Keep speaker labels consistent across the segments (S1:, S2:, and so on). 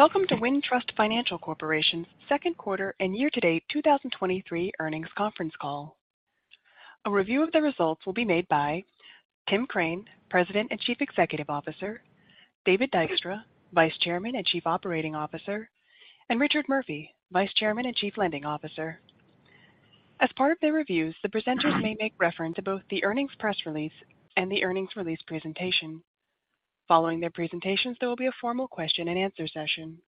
S1: Welcome to Wintrust Financial Corporation's second quarter and year-to-date 2023 earnings conference call. A review of the results will be made by Tim Crane, President and Chief Executive Officer, David Dykstra, Vice Chairman and Chief Operating Officer, and Richard Murphy, Vice Chairman and Chief Lending Officer. As part of their reviews, the presenters may make reference to both the earnings press release and the earnings release presentation. Following their presentations, there will be a formal question-and-answer session.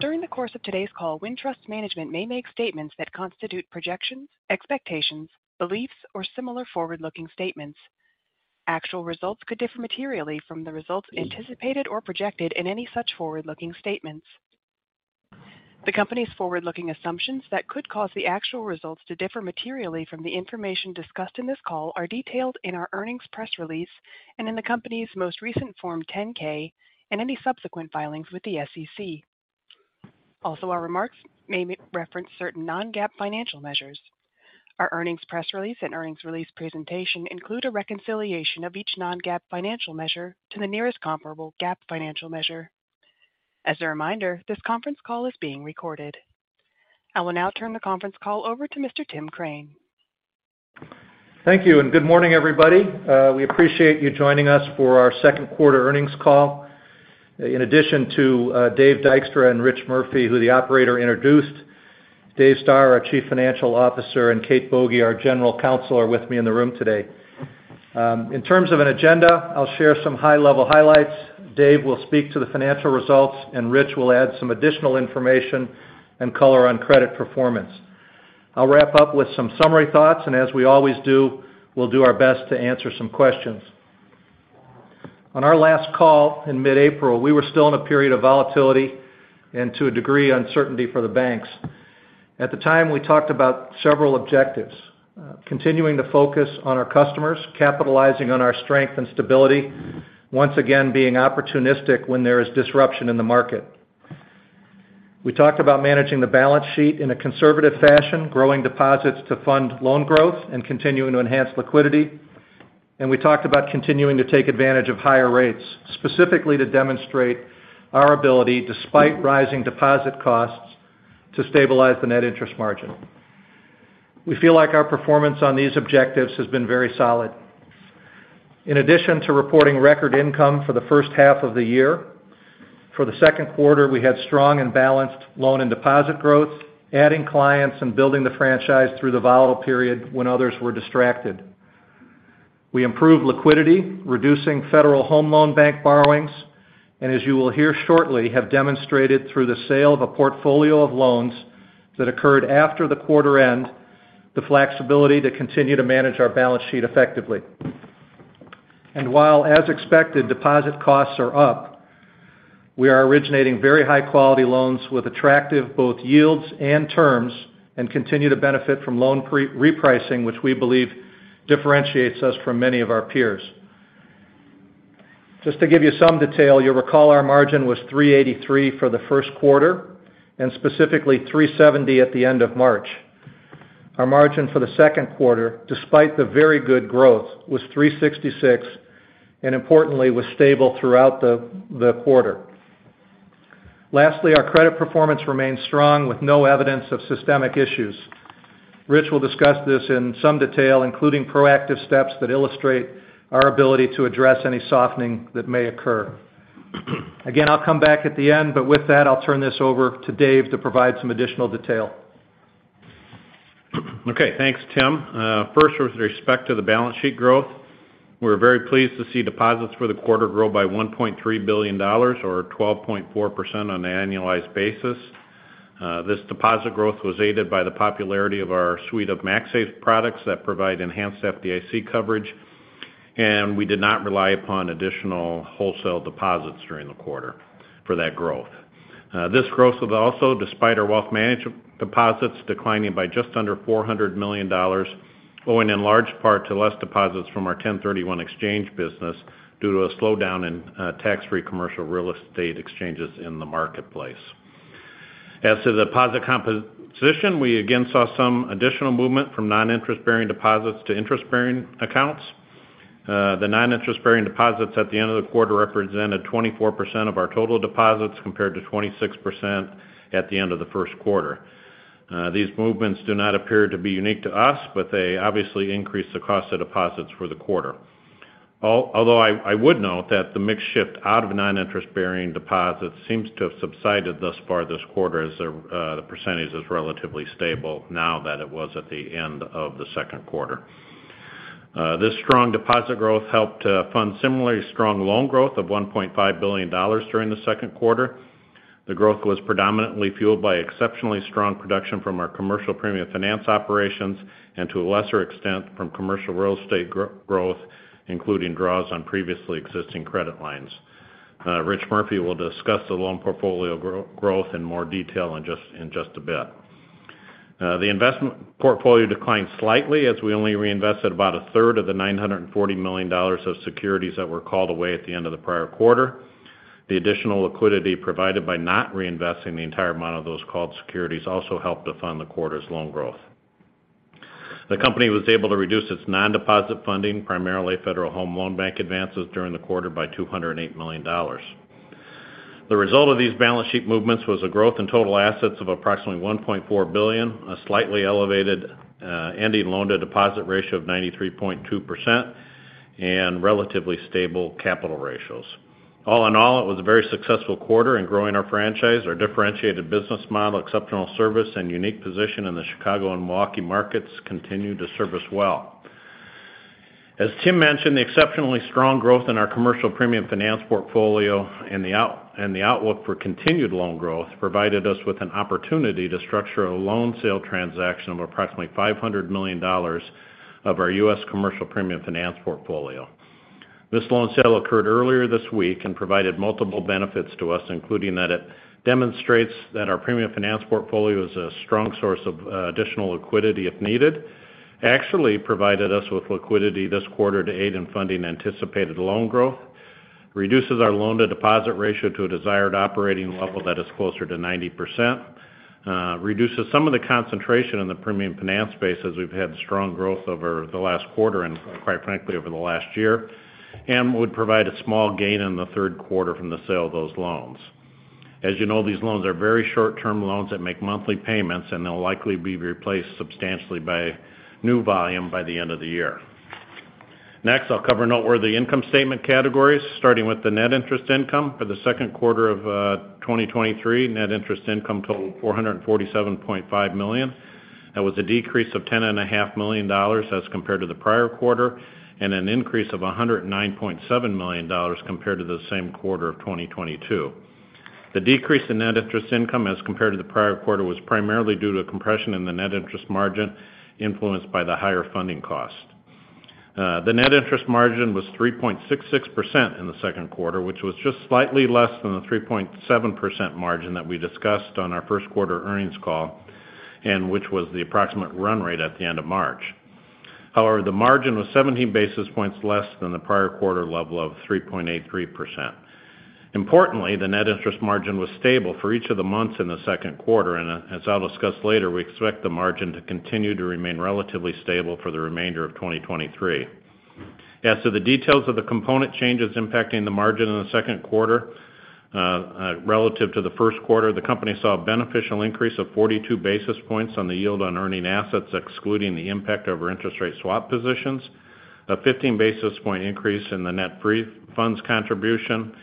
S1: During the course of today's call, Wintrust management may make statements that constitute projections, expectations, beliefs, or similar forward-looking statements. Actual results could differ materially from the results anticipated or projected in any such forward-looking statements. The company's forward-looking assumptions that could cause the actual results to differ materially from the information discussed in this call are detailed in our earnings press release and in the company's most recent Form 10-K and any subsequent filings with the SEC. Also, our remarks may reference certain non-GAAP financial measures. Our earnings press release and earnings release presentation include a reconciliation of each non-GAAP financial measure to the nearest comparable GAAP financial measure. As a reminder, this conference call is being recorded. I will now turn the conference call over to Mr. Tim Crane.
S2: Thank you. Good morning, everybody. We appreciate you joining us for our second quarter earnings call. In addition to Dave Dykstra and Rich Murphy, who the operator introduced, David Stoehr, our Chief Financial Officer, and Kate Boege, our General Counsel, are with me in the room today. In terms of an agenda, I'll share some high-level highlights. Dave will speak to the financial results, and Rich will add some additional information and color on credit performance. I'll wrap up with some summary thoughts, and as we always do, we'll do our best to answer some questions. On our last call in mid-April, we were still in a period of volatility and to a degree, uncertainty for the banks. At the time, we talked about several objectives: continuing to focus on our customers, capitalizing on our strength and stability, once again, being opportunistic when there is disruption in the market. We talked about managing the balance sheet in a conservative fashion, growing deposits to fund loan growth, and continuing to enhance liquidity. We talked about continuing to take advantage of higher rates, specifically to demonstrate our ability, despite rising deposit costs, to stabilize the net interest margin. We feel like our performance on these objectives has been very solid. In addition to reporting record income for the first half of the year, for the second quarter, we had strong and balanced loan and deposit growth, adding clients and building the franchise through the volatile period when others were distracted. We improved liquidity, reducing Federal Home Loan Bank borrowings, and as you will hear shortly, have demonstrated through the sale of a portfolio of loans that occurred after the quarter end, the flexibility to continue to manage our balance sheet effectively. While as expected, deposit costs are up, we are originating very high-quality loans with attractive both yields and terms, and continue to benefit from loan repricing, which we believe differentiates us from many of our peers. Just to give you some detail, you'll recall our margin was 3.83% for the first quarter, and specifically 3.70% at the end of March. Our margin for the second quarter, despite the very good growth, was 3.66%, and importantly, was stable throughout the quarter. Lastly, our credit performance remains strong with no evidence of systemic issues. Rich will discuss this in some detail, including proactive steps that illustrate our ability to address any softening that may occur. Again, I'll come back at the end, but with that, I'll turn this over to Dave to provide some additional detail.
S3: Okay, thanks, Tim. First, with respect to the balance sheet growth, we're very pleased to see deposits for the quarter grow by $1.3 billion or 12.4% on an annualized basis. This deposit growth was aided by the popularity of our suite of MaxSafe products that provide enhanced FDIC coverage, and we did not rely upon additional wholesale deposits during the quarter for that growth. This growth was also despite our wealth deposits declining by just under $400 million, owing in large part to less deposits from our 1031 exchange business due to a slowdown in tax-free commercial real estate exchanges in the marketplace. As to the deposit composition, we again saw some additional movement from non-interest bearing deposits to interest-bearing accounts. The non-interest bearing deposits at the end of the quarter represented 24% of our total deposits, compared to 26% at the end of the first quarter. These movements do not appear to be unique to us, but they obviously increase the cost of deposits for the quarter. Although I would note that the mix shift out of non-interest bearing deposits seems to have subsided thus far this quarter, as the percentage is relatively stable now that it was at the end of the second quarter. This strong deposit growth helped fund similarly strong loan growth of $1.5 billion during the second quarter. The growth was predominantly fueled by exceptionally strong production from our commercial premium finance operations, and to a lesser extent, from commercial real estate growth, including draws on previously existing credit lines. Rich Murphy will discuss the loan portfolio growth in more detail in just a bit. The investment portfolio declined slightly as we only reinvested about a third of the $940 million of securities that were called away at the end of the prior quarter. The additional liquidity provided by not reinvesting the entire amount of those called securities also helped to fund the quarter's loan growth. The company was able to reduce its non-deposit funding, primarily Federal Home Loan Bank advances, during the quarter by $208 million. The result of these balance sheet movements was a growth in total assets of approximately $1.4 billion, a slightly elevated ending loan-to-deposit ratio of 93.2%, and relatively stable capital ratios. All in all, it was a very successful quarter in growing our franchise. Our differentiated business model, exceptional service, and unique position in the Chicago and Milwaukee markets continued to serve us well. As Tim mentioned, the exceptionally strong growth in our commercial premium finance portfolio and the outlook for continued loan growth provided us with an opportunity to structure a loan sale transaction of approximately $500 million of our U.S. commercial premium finance portfolio. This loan sale occurred earlier this week and provided multiple benefits to us, including that it demonstrates that our premium finance portfolio is a strong source of additional liquidity if needed. Actually, provided us with liquidity this quarter to aid in funding anticipated loan growth, reduces our loan-to-deposit ratio to a desired operating level that is closer to 90%, reduces some of the concentration in the premium finance space as we've had strong growth over the last quarter and, quite frankly, over the last year, and would provide a small gain in the third quarter from the sale of those loans. As you know, these loans are very short-term loans that make monthly payments, and they'll likely be replaced substantially by new volume by the end of the year. Next, I'll cover noteworthy income statement categories, starting with the net interest income. For the second quarter of 2023, net interest income totaled $447.5 million. That was a decrease of $10.5 million as compared to the prior quarter, an increase of $109.7 million compared to the same quarter of 2022. The decrease in net interest income as compared to the prior quarter, was primarily due to compression in the net interest margin, influenced by the higher funding cost. The net interest margin was 3.66% in the second quarter, which was just slightly less than the 3.7% margin that we discussed on our first quarter earnings call, which was the approximate run rate at the end of March. The margin was 17 basis points less than the prior quarter level of 3.83%. Importantly, the net interest margin was stable for each of the months in the second quarter, and, as I'll discuss later, we expect the margin to continue to remain relatively stable for the remainder of 2023. As to the details of the component changes impacting the margin in the second quarter, relative to the first quarter, the company saw a beneficial increase of 42 basis points on the yield on earning assets, excluding the impact of our interest rate swap positions, a 15 basis point increase in the net free funds contribution, and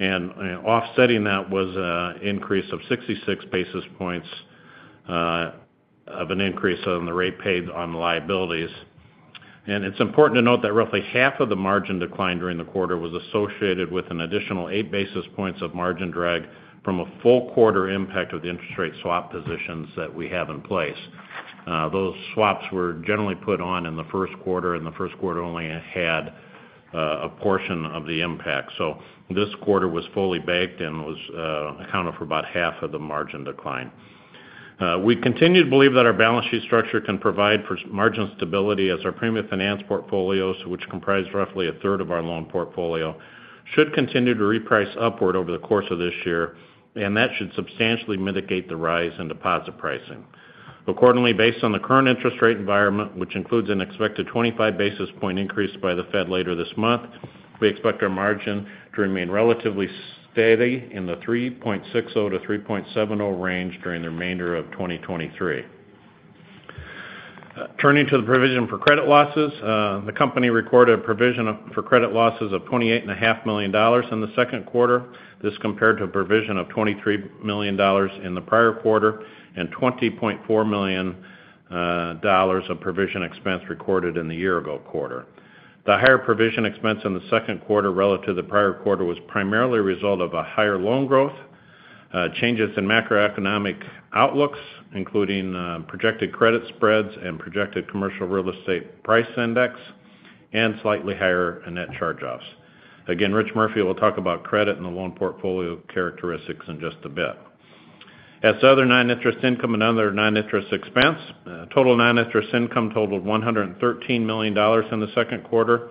S3: offsetting that was an increase of 66 basis points in the rate paid on liabilities. It's important to note that roughly half of the margin decline during the quarter was associated with an additional 8 basis points of margin drag from a full quarter impact of the interest rate swap positions that we have in place. Those swaps were generally put on in the first quarter, and the first quarter only had a portion of the impact. This quarter was fully baked and was accounted for about half of the margin decline. We continue to believe that our balance sheet structure can provide for margin stability as our premium finance portfolios, which comprise roughly a third of our loan portfolio, should continue to reprice upward over the course of this year, and that should substantially mitigate the rise in deposit pricing. Based on the current interest rate environment, which includes an expected 25 basis point increase by the Fed later this month, we expect our margin to remain relatively steady in the 3.60%-3.70% range during the remainder of 2023. Turning to the provision for credit losses, the company recorded a provision for credit losses of $28.5 million in the second quarter. This compared to a provision of $23 million in the prior quarter, and $20.4 million of provision expense recorded in the year ago quarter. The higher provision expense in the second quarter relative to the prior quarter, was primarily a result of higher loan growth, changes in macroeconomic outlooks, including projected credit spreads and projected commercial real estate price index, and slightly higher net charge-offs. Again, Rich Murphy will talk about credit and the loan portfolio characteristics in just a bit. As to other non-interest income and other non-interest expense, total non-interest income totaled $113 million in the second quarter,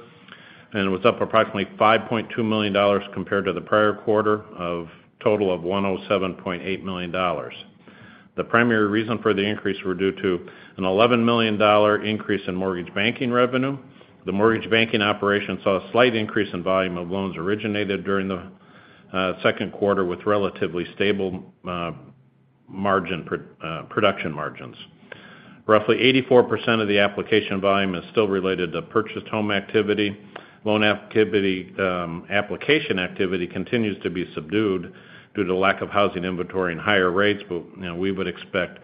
S3: and was up approximately $5.2 million compared to the prior quarter of total of $107.8 million. The primary reason for the increase were due to an $11 million increase in mortgage banking revenue. The mortgage banking operation saw a slight increase in volume of loans originated during the second quarter with relatively stable production margins. Roughly 84% of the application volume is still related to purchased home activity. Loan activity, application activity continues to be subdued due to the lack of housing inventory and higher rates, but, you know, we would expect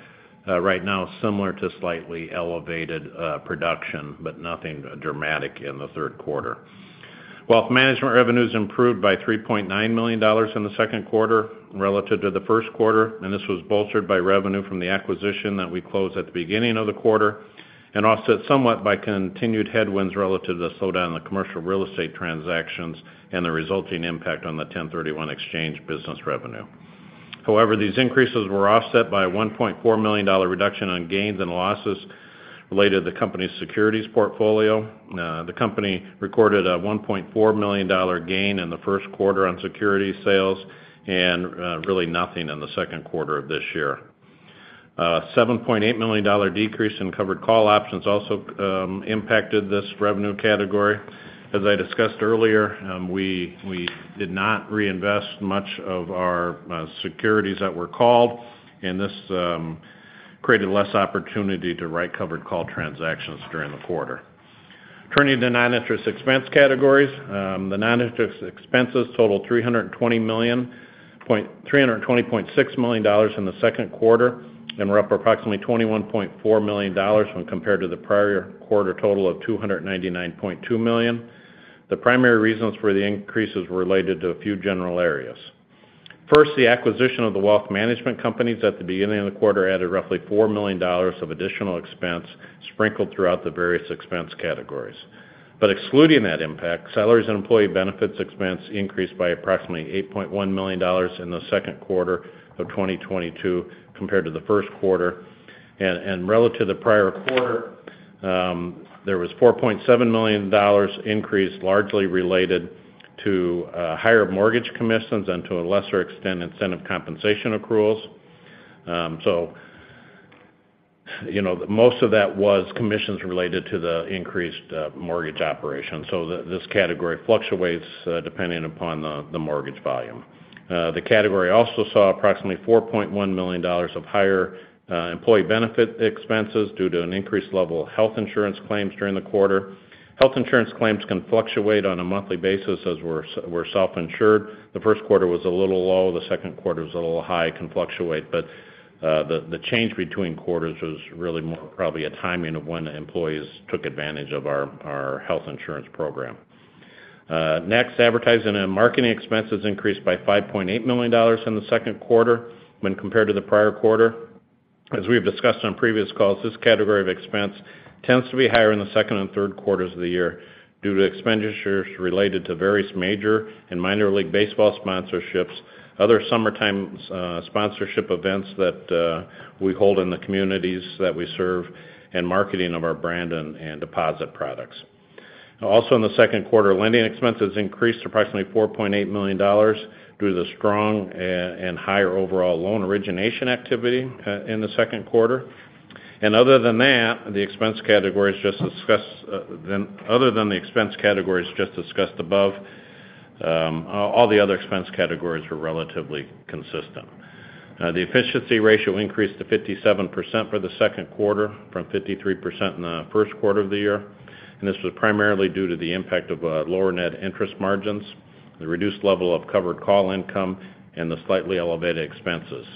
S3: right now, similar to slightly elevated production, but nothing dramatic in the third quarter. Wealth management revenues improved by $3.9 million in the second quarter relative to the first quarter. This was bolstered by revenue from the acquisition that we closed at the beginning of the quarter, offset somewhat by continued headwinds relative to the slowdown in the commercial real estate transactions and the resulting impact on the 1031 exchange business revenue. However, these increases were offset by a $1.4 million reduction on gains and losses related to the company's securities portfolio. The company recorded a $1.4 million gain in the first quarter on securities sales and really nothing in the second quarter of this year. $7.8 million decrease in covered call options also impacted this revenue category. As I discussed earlier, we did not reinvest much of our securities that were called, and this created less opportunity to write covered call transactions during the quarter. Turning to the non-interest expense categories. The non-interest expenses totaled $320.6 million in the second quarter, and we're up approximately $21.4 million when compared to the prior quarter total of $299.2 million. The primary reasons for the increases were related to a few general areas. First, the acquisition of the wealth management companies at the beginning of the quarter added roughly $4 million of additional expense sprinkled throughout the various expense categories. Excluding that impact, salaries and employee benefits expense increased by approximately $8.1 million in the second quarter of 2022 compared to the first quarter. Relative to the prior quarter, there was $4.7 million increase, largely related to higher mortgage commissions and, to a lesser extent, incentive compensation accruals. You know, most of that was commissions related to the increased mortgage operation. This category fluctuates depending upon the mortgage volume. The category also saw approximately $4.1 million of higher employee benefit expenses due to an increased level of health insurance claims during the quarter. Health insurance claims can fluctuate on a monthly basis, as we're self-insured. The first quarter was a little low, the second quarter was a little high, it can fluctuate, but the change between quarters was really more probably a timing of when the employees took advantage of our health insurance program. Next, advertising and marketing expenses increased by $5.8 million in the second quarter when compared to the prior quarter. As we have discussed on previous calls, this category of expense tends to be higher in the second and third quarters of the year due to expenditures related to various Major and Minor League Baseball sponsorships, other summertime sponsorship events that we hold in the communities that we serve, and marketing of our brand and deposit products. Also, in the second quarter, lending expenses increased approximately $4.8 million due to the strong and higher overall loan origination activity in the second quarter. Other than that, the expense categories just discussed, other than the expense categories just discussed above, all the other expense categories were relatively consistent. The efficiency ratio increased to 57% for the second quarter, from 53% in the first quarter of the year, and this was primarily due to the impact of lower net interest margins, the reduced level of covered call income, and the slightly elevated expenses.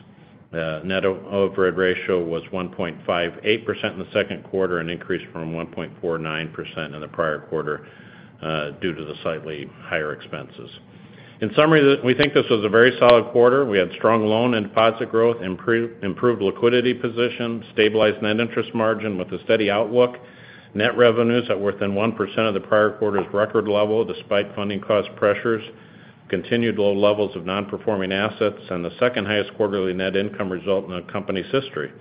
S3: Net overhead ratio was 1.58% in the second quarter, an increase from 1.49% in the prior quarter, due to the slightly higher expenses. In summary, we think this was a very solid quarter. We had strong loan and deposit growth, improved liquidity position, stabilized net interest margin with a steady outlook, net revenues that were within 1% of the prior quarter's record level, despite funding cost pressures, continued low levels of non-performing assets, and the second highest quarterly net income result in the company's history.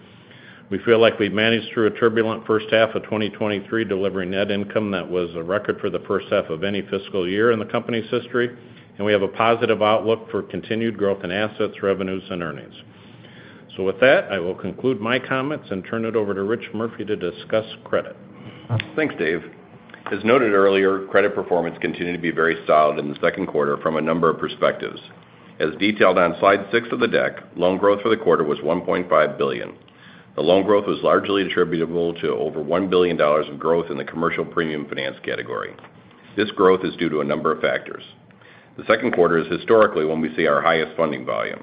S3: We feel like we've managed through a turbulent first half of 2023, delivering net income that was a record for the first half of any fiscal year in the company's history, and we have a positive outlook for continued growth in assets, revenues, and earnings. With that, I will conclude my comments and turn it over to Rich Murphy to discuss credit.
S4: Thanks, Dave. As noted earlier, credit performance continued to be very solid in the second quarter from a number of perspectives. As detailed on slide 6 of the deck, loan growth for the quarter was $1.5 billion. The loan growth was largely attributable to over $1 billion of growth in the commercial premium finance category. This growth is due to a number of factors. The second quarter is historically when we see our highest funding volume,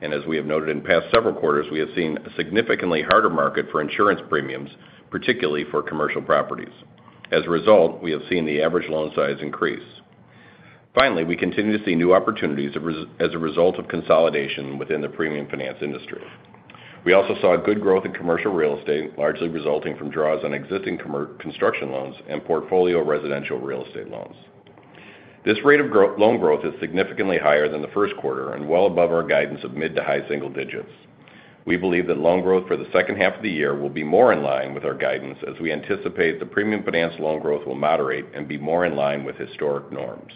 S4: and as we have noted in past several quarters, we have seen a significantly harder market for insurance premiums, particularly for commercial properties. As a result, we have seen the average loan size increase. Finally, we continue to see new opportunities as a result of consolidation within the premium finance industry. We also saw good growth in commercial real estate, largely resulting from draws on existing construction loans and portfolio residential real estate loans. This rate of loan growth is significantly higher than the first quarter and well above our guidance of mid-to-high single digits. We believe that loan growth for the second half of the year will be more in line with our guidance, as we anticipate the premium finance loan growth will moderate and be more in line with historic norms.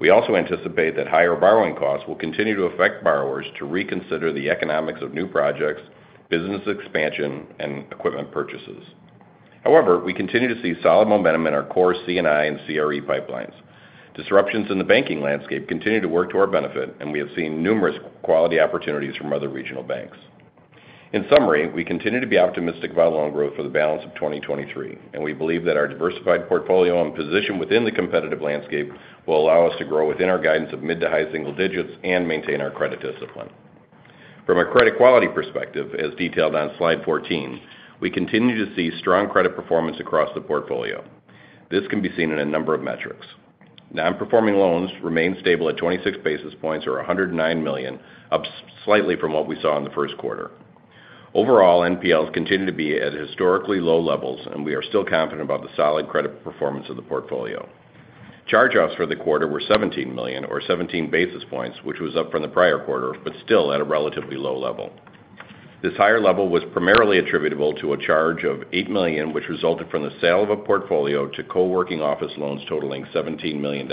S4: We also anticipate that higher borrowing costs will continue to affect borrowers to reconsider the economics of new projects, business expansion, and equipment purchases. However, we continue to see solid momentum in our core C&I and CRE pipelines. Disruptions in the banking landscape continue to work to our benefit, and we have seen numerous quality opportunities from other regional banks. In summary, we continue to be optimistic about loan growth for the balance of 2023, and we believe that our diversified portfolio and position within the competitive landscape will allow us to grow within our guidance of mid to high single digits and maintain our credit discipline. From a credit quality perspective, as detailed on slide 14, we continue to see strong credit performance across the portfolio. This can be seen in a number of metrics. Non-performing loans remain stable at 26 basis points, or $109 million, up slightly from what we saw in the first quarter. Overall, NPLs continue to be at historically low levels, and we are still confident about the solid credit performance of the portfolio. Charge-offs for the quarter were $17 million, or 17 basis points, which was up from the prior quarter, but still at a relatively low level. This higher level was primarily attributable to a charge of $8 million, which resulted from the sale of a portfolio of co-working office loans totaling $17 million.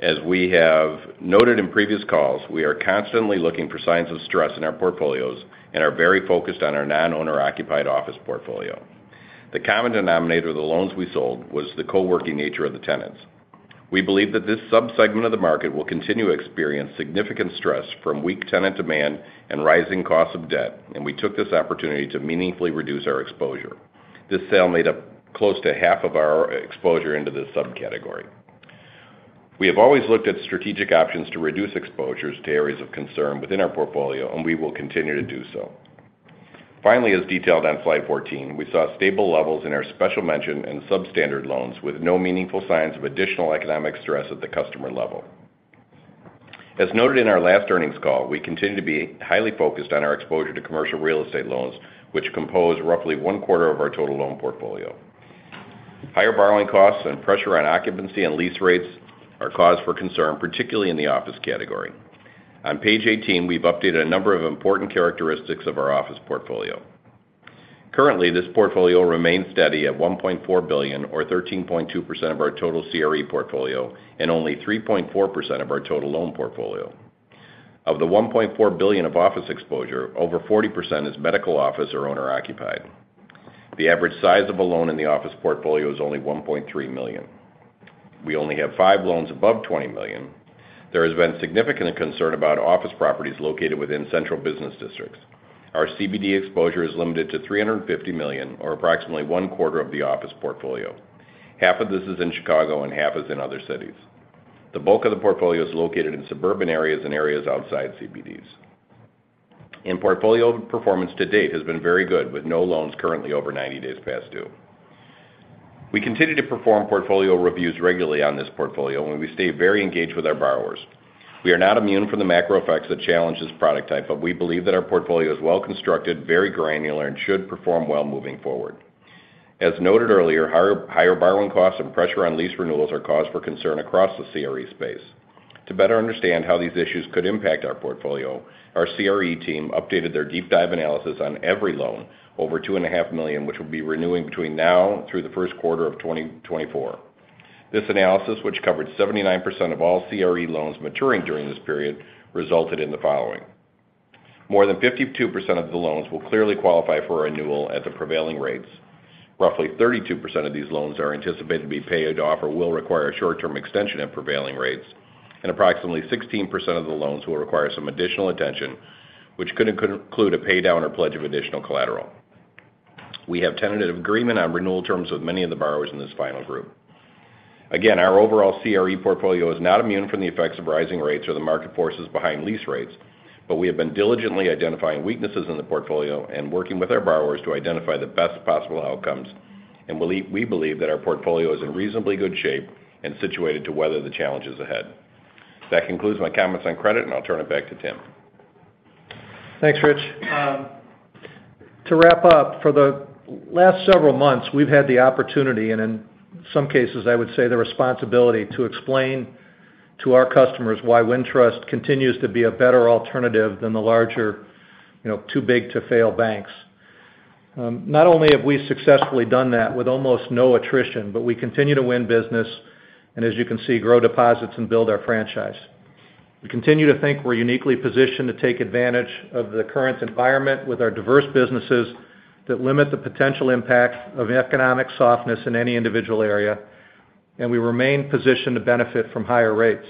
S4: As we have noted in previous calls, we are constantly looking for signs of stress in our portfolios and are very focused on our non-owner occupied office portfolio. The common denominator of the loans we sold was the co-working nature of the tenants. We believe that this subsegment of the market will continue to experience significant stress from weak tenant demand and rising costs of debt, and we took this opportunity to meaningfully reduce our exposure. This sale made up close to half of our exposure in this subcategory. We have always looked at strategic options to reduce exposures to areas of concern within our portfolio, and we will continue to do so. As detailed on Slide 14, we saw stable levels in our special mention and substandard loans, with no meaningful signs of additional economic stress at the customer level. As noted in our last earnings call, we continue to be highly focused on our exposure to commercial real estate loans, which compose roughly one quarter of our total loan portfolio. Higher borrowing costs and pressure on occupancy and lease rates are cause for concern, particularly in the office category. On Page 18, we've updated a number of important characteristics of our office portfolio. Currently, this portfolio remains steady at $1.4 billion or 13.2% of our total CRE portfolio and only 3.4% of our total loan portfolio. Of the $1.4 billion of office exposure, over 40% is medical office or owner-occupied. The average size of a loan in the office portfolio is only $1.3 million. We only have 5 loans above $20 million. There has been significant concern about office properties located within central business districts. Our CBD exposure is limited to $350 million, or approximately one quarter of the office portfolio. Half of this is in Chicago and half is in other cities. The bulk of the portfolio is located in suburban areas and areas outside CBDs. Portfolio performance to date has been very good, with no loans currently over 90 days past due. We continue to perform portfolio reviews regularly on this portfolio, and we stay very engaged with our borrowers. We are not immune from the macro effects that challenge this product type, but we believe that our portfolio is well-constructed, very granular, and should perform well moving forward. As noted earlier, higher borrowing costs and pressure on lease renewals are cause for concern across the CRE space. To better understand how these issues could impact our portfolio, our CRE team updated their deep dive analysis on every loan over $2.5 million, which will be renewing between now through the 1st quarter of 2024. This analysis, which covered 79% of all CRE loans maturing during this period, resulted in the following: More than 52% of the loans will clearly qualify for renewal at the prevailing rates. Roughly 32% of these loans are anticipated to be paid off or will require a short-term extension at prevailing rates, and approximately 16% of the loans will require some additional attention, which could include a pay down or pledge of additional collateral. We have tentative agreement on renewal terms with many of the borrowers in this final group. Our overall CRE portfolio is not immune from the effects of rising rates or the market forces behind lease rates, but we have been diligently identifying weaknesses in the portfolio and working with our borrowers to identify the best possible outcomes. We believe that our portfolio is in reasonably good shape and situated to weather the challenges ahead. That concludes my comments on credit, and I'll turn it back to Tim.
S2: Thanks, Rich. To wrap up, for the last several months, we've had the opportunity, and in some cases, I would say the responsibility, to explain to our customers why Wintrust continues to be a better alternative than the larger, you know, too big to fail banks. Not only have we successfully done that with almost no attrition, but we continue to win business and as you can see, grow deposits and build our franchise. We continue to think we're uniquely positioned to take advantage of the current environment with our diverse businesses that limit the potential impact of economic softness in any individual area, and we remain positioned to benefit from higher rates.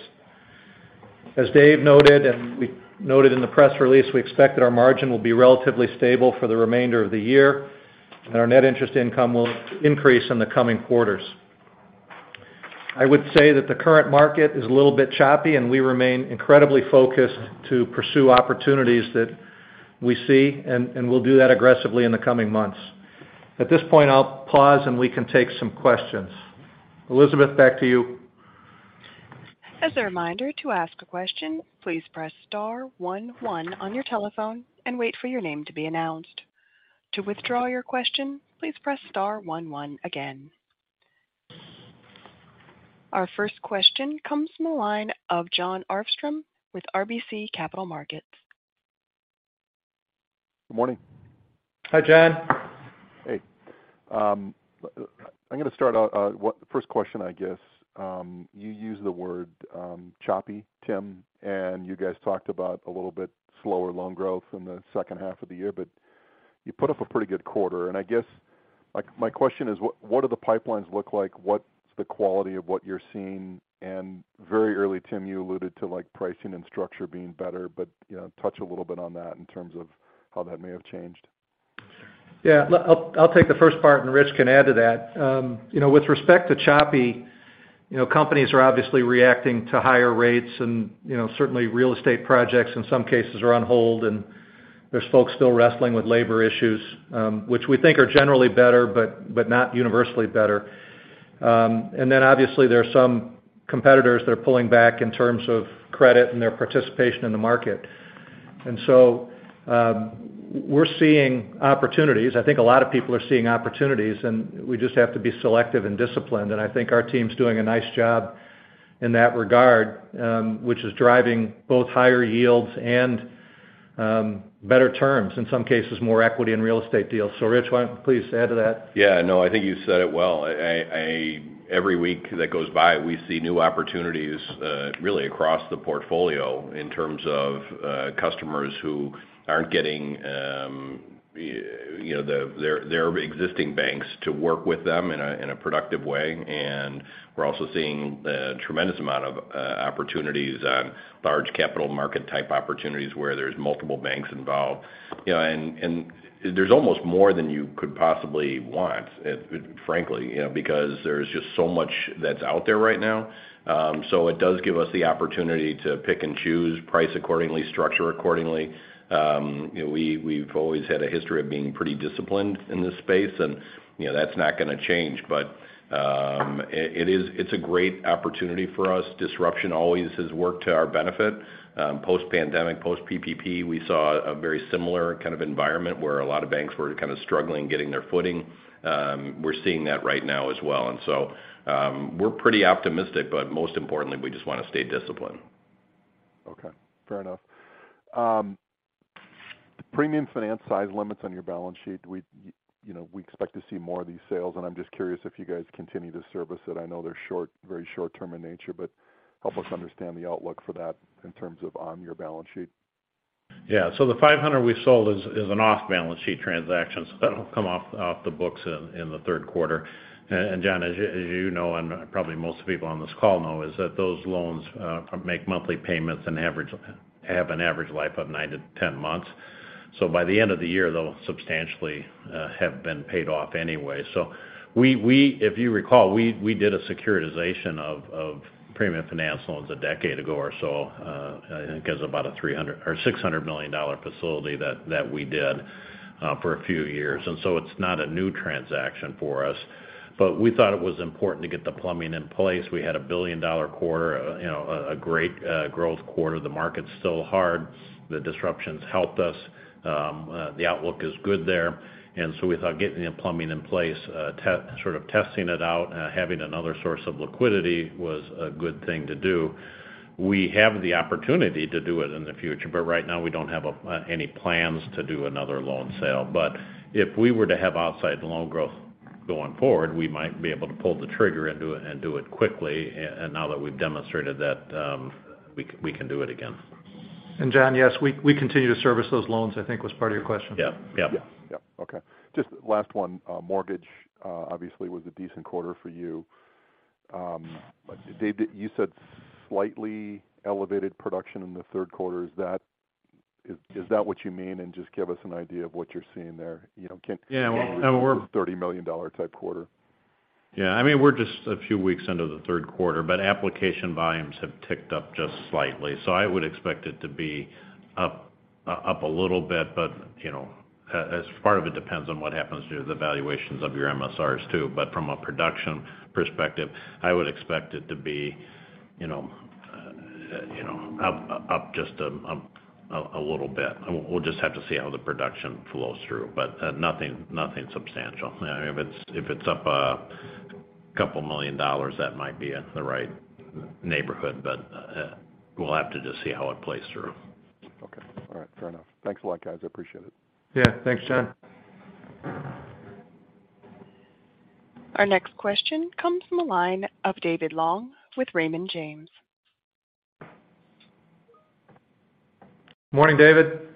S2: As Dave noted, and we noted in the press release, we expect that our margin will be relatively stable for the remainder of the year, and our net interest income will increase in the coming quarters. I would say that the current market is a little bit choppy, and we remain incredibly focused to pursue opportunities that we see, and we'll do that aggressively in the coming months. At this point, I'll pause, and we can take some questions. Elizabeth, back to you.
S1: As a reminder, to ask a question, please press star one one on your telephone and wait for your name to be announced. To withdraw your question, please press star one one again. Our first question comes from the line of Jon Arfstrom with RBC Capital Markets.
S4: Good morning.
S2: Hi, Jon.
S5: Hey. I'm going to start out, the first question, I guess, you used the word, choppy, Tim, and you guys talked about a little bit slower loan growth in the second half of the year, but you put up a pretty good quarter. I guess, like, my question is: what do the pipelines look like? What's the quality of what you're seeing? Very early, Tim, you alluded to, like, pricing and structure being better, but, you know, touch a little bit on that in terms of how that may have changed.
S2: Yeah. Look, I'll take the first part, and Rich can add to that. You know, with respect to choppy, you know, companies are obviously reacting to higher rates and, you know, certainly real estate projects in some cases are on hold, and there's folks still wrestling with labor issues, which we think are generally better, but not universally better. Then obviously, there are some competitors that are pulling back in terms of credit and their participation in the market. We're seeing opportunities. I think a lot of people are seeing opportunities, and we just have to be selective and disciplined. I think our team's doing a nice job in that regard, which is driving both higher yields and, better terms, in some cases, more equity in real estate deals. Rich, why don't please add to that?
S4: Yeah, no, I think you said it well. I, every week that goes by, we see new opportunities, really across the portfolio in terms of customers who aren't getting, you know, their existing banks to work with them in a productive way. We're also seeing a tremendous amount of opportunities on large capital market-type opportunities where there's multiple banks involved. You know, there's almost more than you could possibly want, frankly, you know, because there's just so much that's out there right now. So it does give us the opportunity to pick and choose, price accordingly, structure accordingly. You know, we've always had a history of being pretty disciplined in this space, and, you know, that's not gonna change. It's a great opportunity for us. Disruption always has worked to our benefit. Post-pandemic, post-PPP, we saw a very similar kind of environment, where a lot of banks were kind of struggling getting their footing. We're seeing that right now as well. We're pretty optimistic, but most importantly, we just wanna stay disciplined.
S5: Okay, fair enough. premium finance size limits on your balance sheet, we, you know, we expect to see more of these sales, and I'm just curious if you guys continue to service it. I know they're very short term in nature, but help us understand the outlook for that in terms of on your balance sheet.
S3: Yeah. The $500 we sold is an off-balance sheet transaction, that'll come off the books in the third quarter. Jon Arfstrom, as you know, and probably most people on this call know, is that those loans make monthly payments and have an average life of 9-10 months. By the end of the year, they'll substantially have been paid off anyway. We if you recall, we did a securitization of premium finance loans a decade ago or so, I think it was about a $300 million-$600 million facility that we did for a few years, it's not a new transaction for us. We thought it was important to get the plumbing in place. We had a billion-dollar quarter, you know, a great growth quarter. The market's still hard. The disruptions helped us. The outlook is good there. We thought getting the plumbing in place, sort of testing it out, having another source of liquidity was a good thing to do. We have the opportunity to do it in the future. Right now we don't have any plans to do another loan sale. If we were to have outside loan growth going forward, we might be able to pull the trigger and do it, and do it quickly, and now that we've demonstrated that, we can do it again.
S2: Jon, yes, we continue to service those loans, I think was part of your question?
S3: Yeah. Yeah.
S5: Yeah. Yeah, okay. Just last one. mortgage, obviously, was a decent quarter for you. Dave, you said slightly elevated production in the third quarter. Is that, is that what you mean? Just give us an idea of what you're seeing there. You know, can-
S2: Yeah, well...
S5: $30 million type quarter.
S3: Yeah, I mean, we're just a few weeks into the third quarter, but application volumes have ticked up just slightly, so I would expect it to be up a little bit. You know, as part of it depends on what happens to the valuations of your MSRs, too. From a production perspective, I would expect it to be, you know, you know, up just a little bit. We'll just have to see how the production flows through, but nothing substantial. I mean, if it's up a couple million dollars, that might be in the right neighborhood, but we'll have to just see how it plays through.
S5: Okay. All right, fair enough. Thanks a lot, guys. I appreciate it.
S2: Yeah, thanks, John.
S1: Our next question comes from the line of David Long with Raymond James.
S2: Morning, David.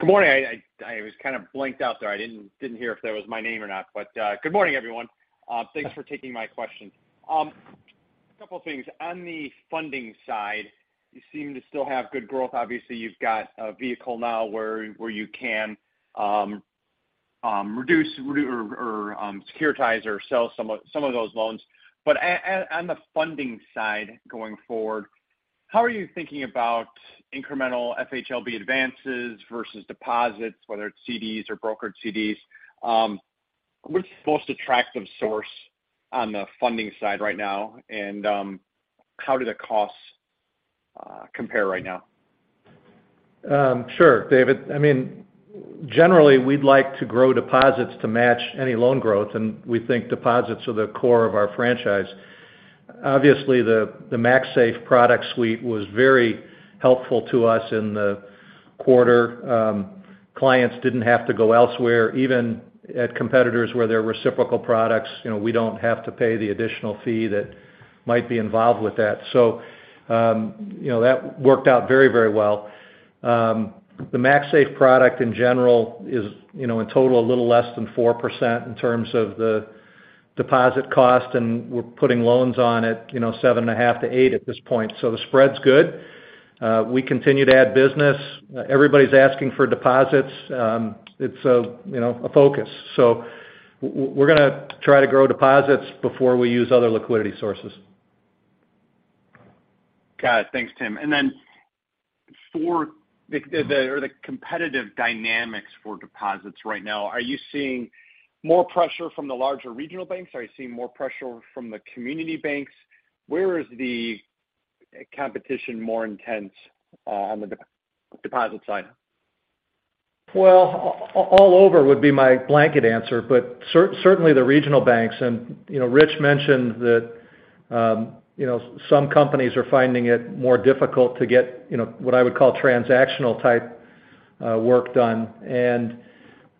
S6: Good morning. I was kind of blanked out there. I didn't hear if that was my name or not, but good morning, everyone. Thanks for taking my question. A couple things. On the funding side, you seem to still have good growth. Obviously, you've got a vehicle now where you can reduce or securitize or sell some of those loans. On the funding side, going forward, how are you thinking about incremental FHLB advances versus deposits, whether it's CDs or brokered CDs? What's the most attractive source on the funding side right now, and how do the costs compare right now?
S2: Sure, David. I mean, generally, we'd like to grow deposits to match any loan growth, and we think deposits are the core of our franchise. Obviously, the MaxSafe product suite was very helpful to us in the quarter. Clients didn't have to go elsewhere, even at competitors where there were reciprocal products, you know, we don't have to pay the additional fee that might be involved with that. You know, that worked out very, very well. The MaxSafe product in general is, you know, in total, a little less than 4% in terms of the deposit cost, and we're putting loans on it, you know, 7.5 to 8 at this point, so the spread's good. We continue to add business. Everybody's asking for deposits. It's a, you know, a focus. We're gonna try to grow deposits before we use other liquidity sources.
S6: Got it. Thanks, Tim. Then for the competitive dynamics for deposits right now, are you seeing more pressure from the larger regional banks? Are you seeing more pressure from the community banks? Where is the competition more intense on the deposit side?
S2: Well, all over would be my blanket answer, certainly the regional banks. You know, Rich mentioned that, you know, some companies are finding it more difficult to get, you know, what I would call transactional-type work done.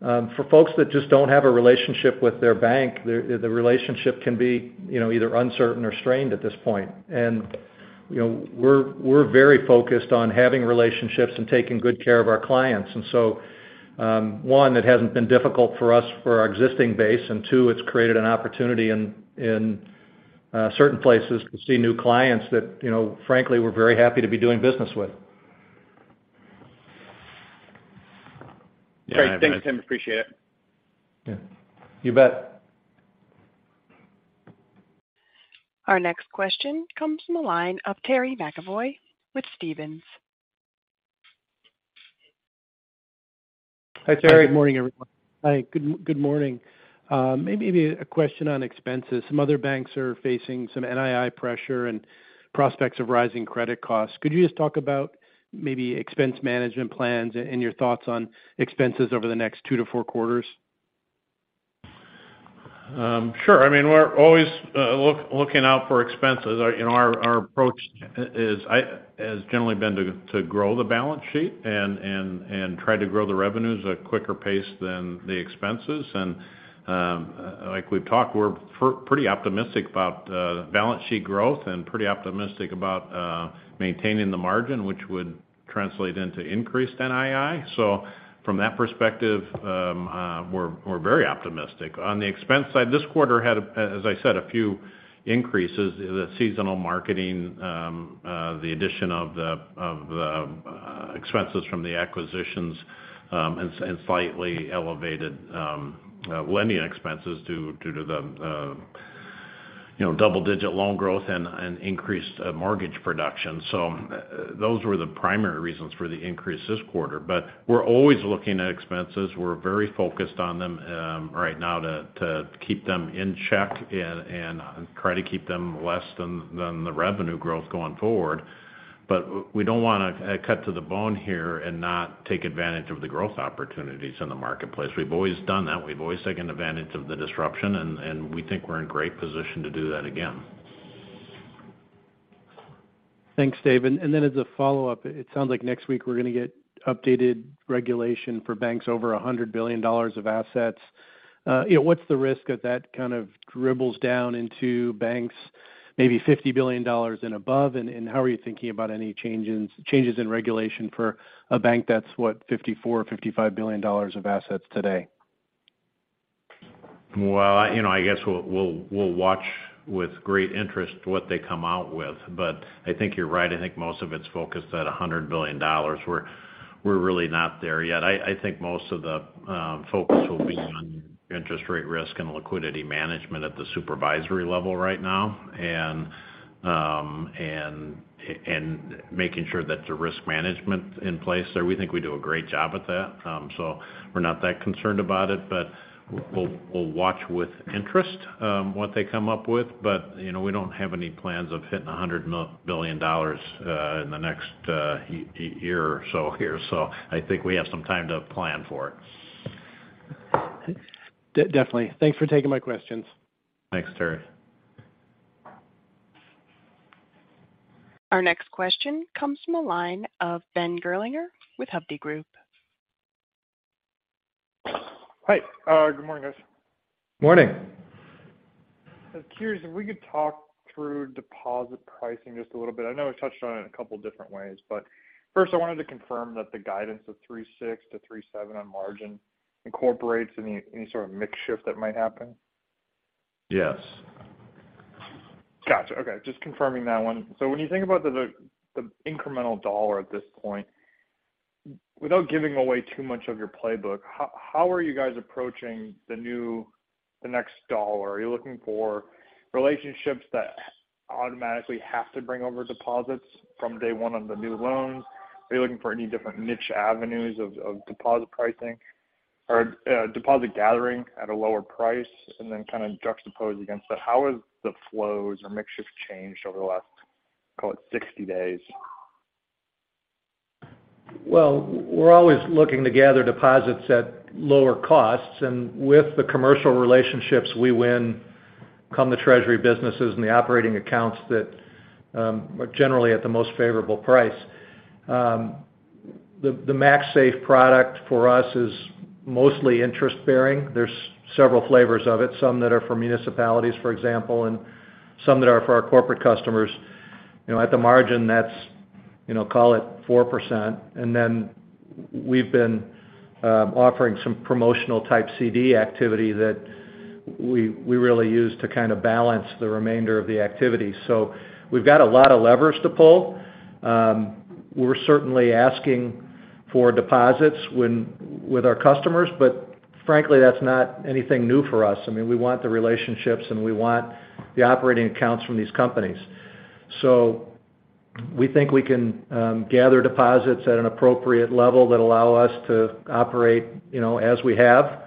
S2: For folks that just don't have a relationship with their bank, the relationship can be, you know, either uncertain or strained at this point. You know, we're very focused on having relationships and taking good care of our clients. One, it hasn't been difficult for us for our existing base, and two, it's created an opportunity in certain places to see new clients that, you know, frankly, we're very happy to be doing business with.
S6: Great. Thanks, Tim. Appreciate it.
S2: Yeah. You bet.
S1: Our next question comes from the line of Terry McEvoy with Stephens.
S2: Hi, Terry.
S7: Good morning, everyone.
S8: Hi, good morning. Maybe a question on expenses. Some other banks are facing some NII pressure and prospects of rising credit costs. Could you just talk about maybe expense management plans and your thoughts on expenses over the next 2-4 quarters?
S2: Sure. I mean, we're always looking out for expenses. Our, you know, our approach has generally been to grow the balance sheet and try to grow the revenues at a quicker pace than the expenses. Like we've talked, we're pretty optimistic about balance sheet growth and pretty optimistic about maintaining the margin, which would translate into increased NII. From that perspective, we're very optimistic. On the expense side, this quarter had, as I said, a few increases in the seasonal marketing, the addition of the expenses from the acquisitions, and slightly elevated lending expenses due to the, you know, double-digit loan growth and increased mortgage production. Those were the primary reasons for the increase this quarter. We're always looking at expenses. We're very focused on them, right now to keep them in check and try to keep them less than the revenue growth going forward. We don't want to cut to the bone here and not take advantage of the growth opportunities in the marketplace. We've always done that. We've always taken advantage of the disruption, and we think we're in great position to do that again.
S8: Thanks, Dave. Then as a follow-up, it sounds like next week we're going to get updated regulation for banks over $100 billion of assets. You know, what's the risk that that kind of dribbles down into banks, maybe $50 billion and above? How are you thinking about any changes in regulation for a bank that's, what, $54 billion-$55 billion of assets today?
S2: Well, you know, I guess we'll watch with great interest what they come out with. I think you're right, I think most of it's focused at $100 billion. We're really not there yet. I think most of the focus will be on interest rate risk and liquidity management at the supervisory level right now, and making sure that the risk management in place there. We think we do a great job at that, we're not that concerned about it. We'll watch with interest what they come up with. You know, we don't have any plans of hitting $100 billion in the next year or so here. I think we have some time to plan for it.
S8: Definitely. Thanks for taking my questions.
S2: Thanks, Terry.
S1: Our next question comes from the line of Ben Gerlinger with Hovde Group.
S9: Hi, good morning, guys.
S2: Morning.
S9: I was curious if we could talk through deposit pricing just a little bit. I know I touched on it in a couple different ways. First, I wanted to confirm that the guidance of 3.6%-3.7% on margin incorporates any sort of mix shift that might happen.
S2: Yes.
S9: Gotcha. Okay, just confirming that one. When you think about the incremental dollar at this point, without giving away too much of your playbook, how are you guys approaching the new, the next dollar? Are you looking for relationships that automatically have to bring over deposits from day 1 on the new loans? Are you looking for any different niche avenues of deposit pricing or deposit gathering at a lower price and then kind of juxtapose against that? How has the flows or mix shift changed over the last, call it, 60 days?
S2: Well, we're always looking to gather deposits at lower costs, and with the commercial relationships we win, come the treasury businesses and the operating accounts that are generally at the most favorable price. The MaxSafe product for us is mostly interest-bearing. There's several flavors of it, some that are for municipalities, for example, and some that are for our corporate customers. You know, at the margin, that's, you know, call it 4%, and then we've been offering some promotional-type CD activity that we really use to kind of balance the remainder of the activity. We've got a lot of levers to pull. We're certainly asking for deposits with our customers, frankly, that's not anything new for us. I mean, we want the relationships, we want the operating accounts from these companies. We think we can gather deposits at an appropriate level that allow us to operate, you know, as we have.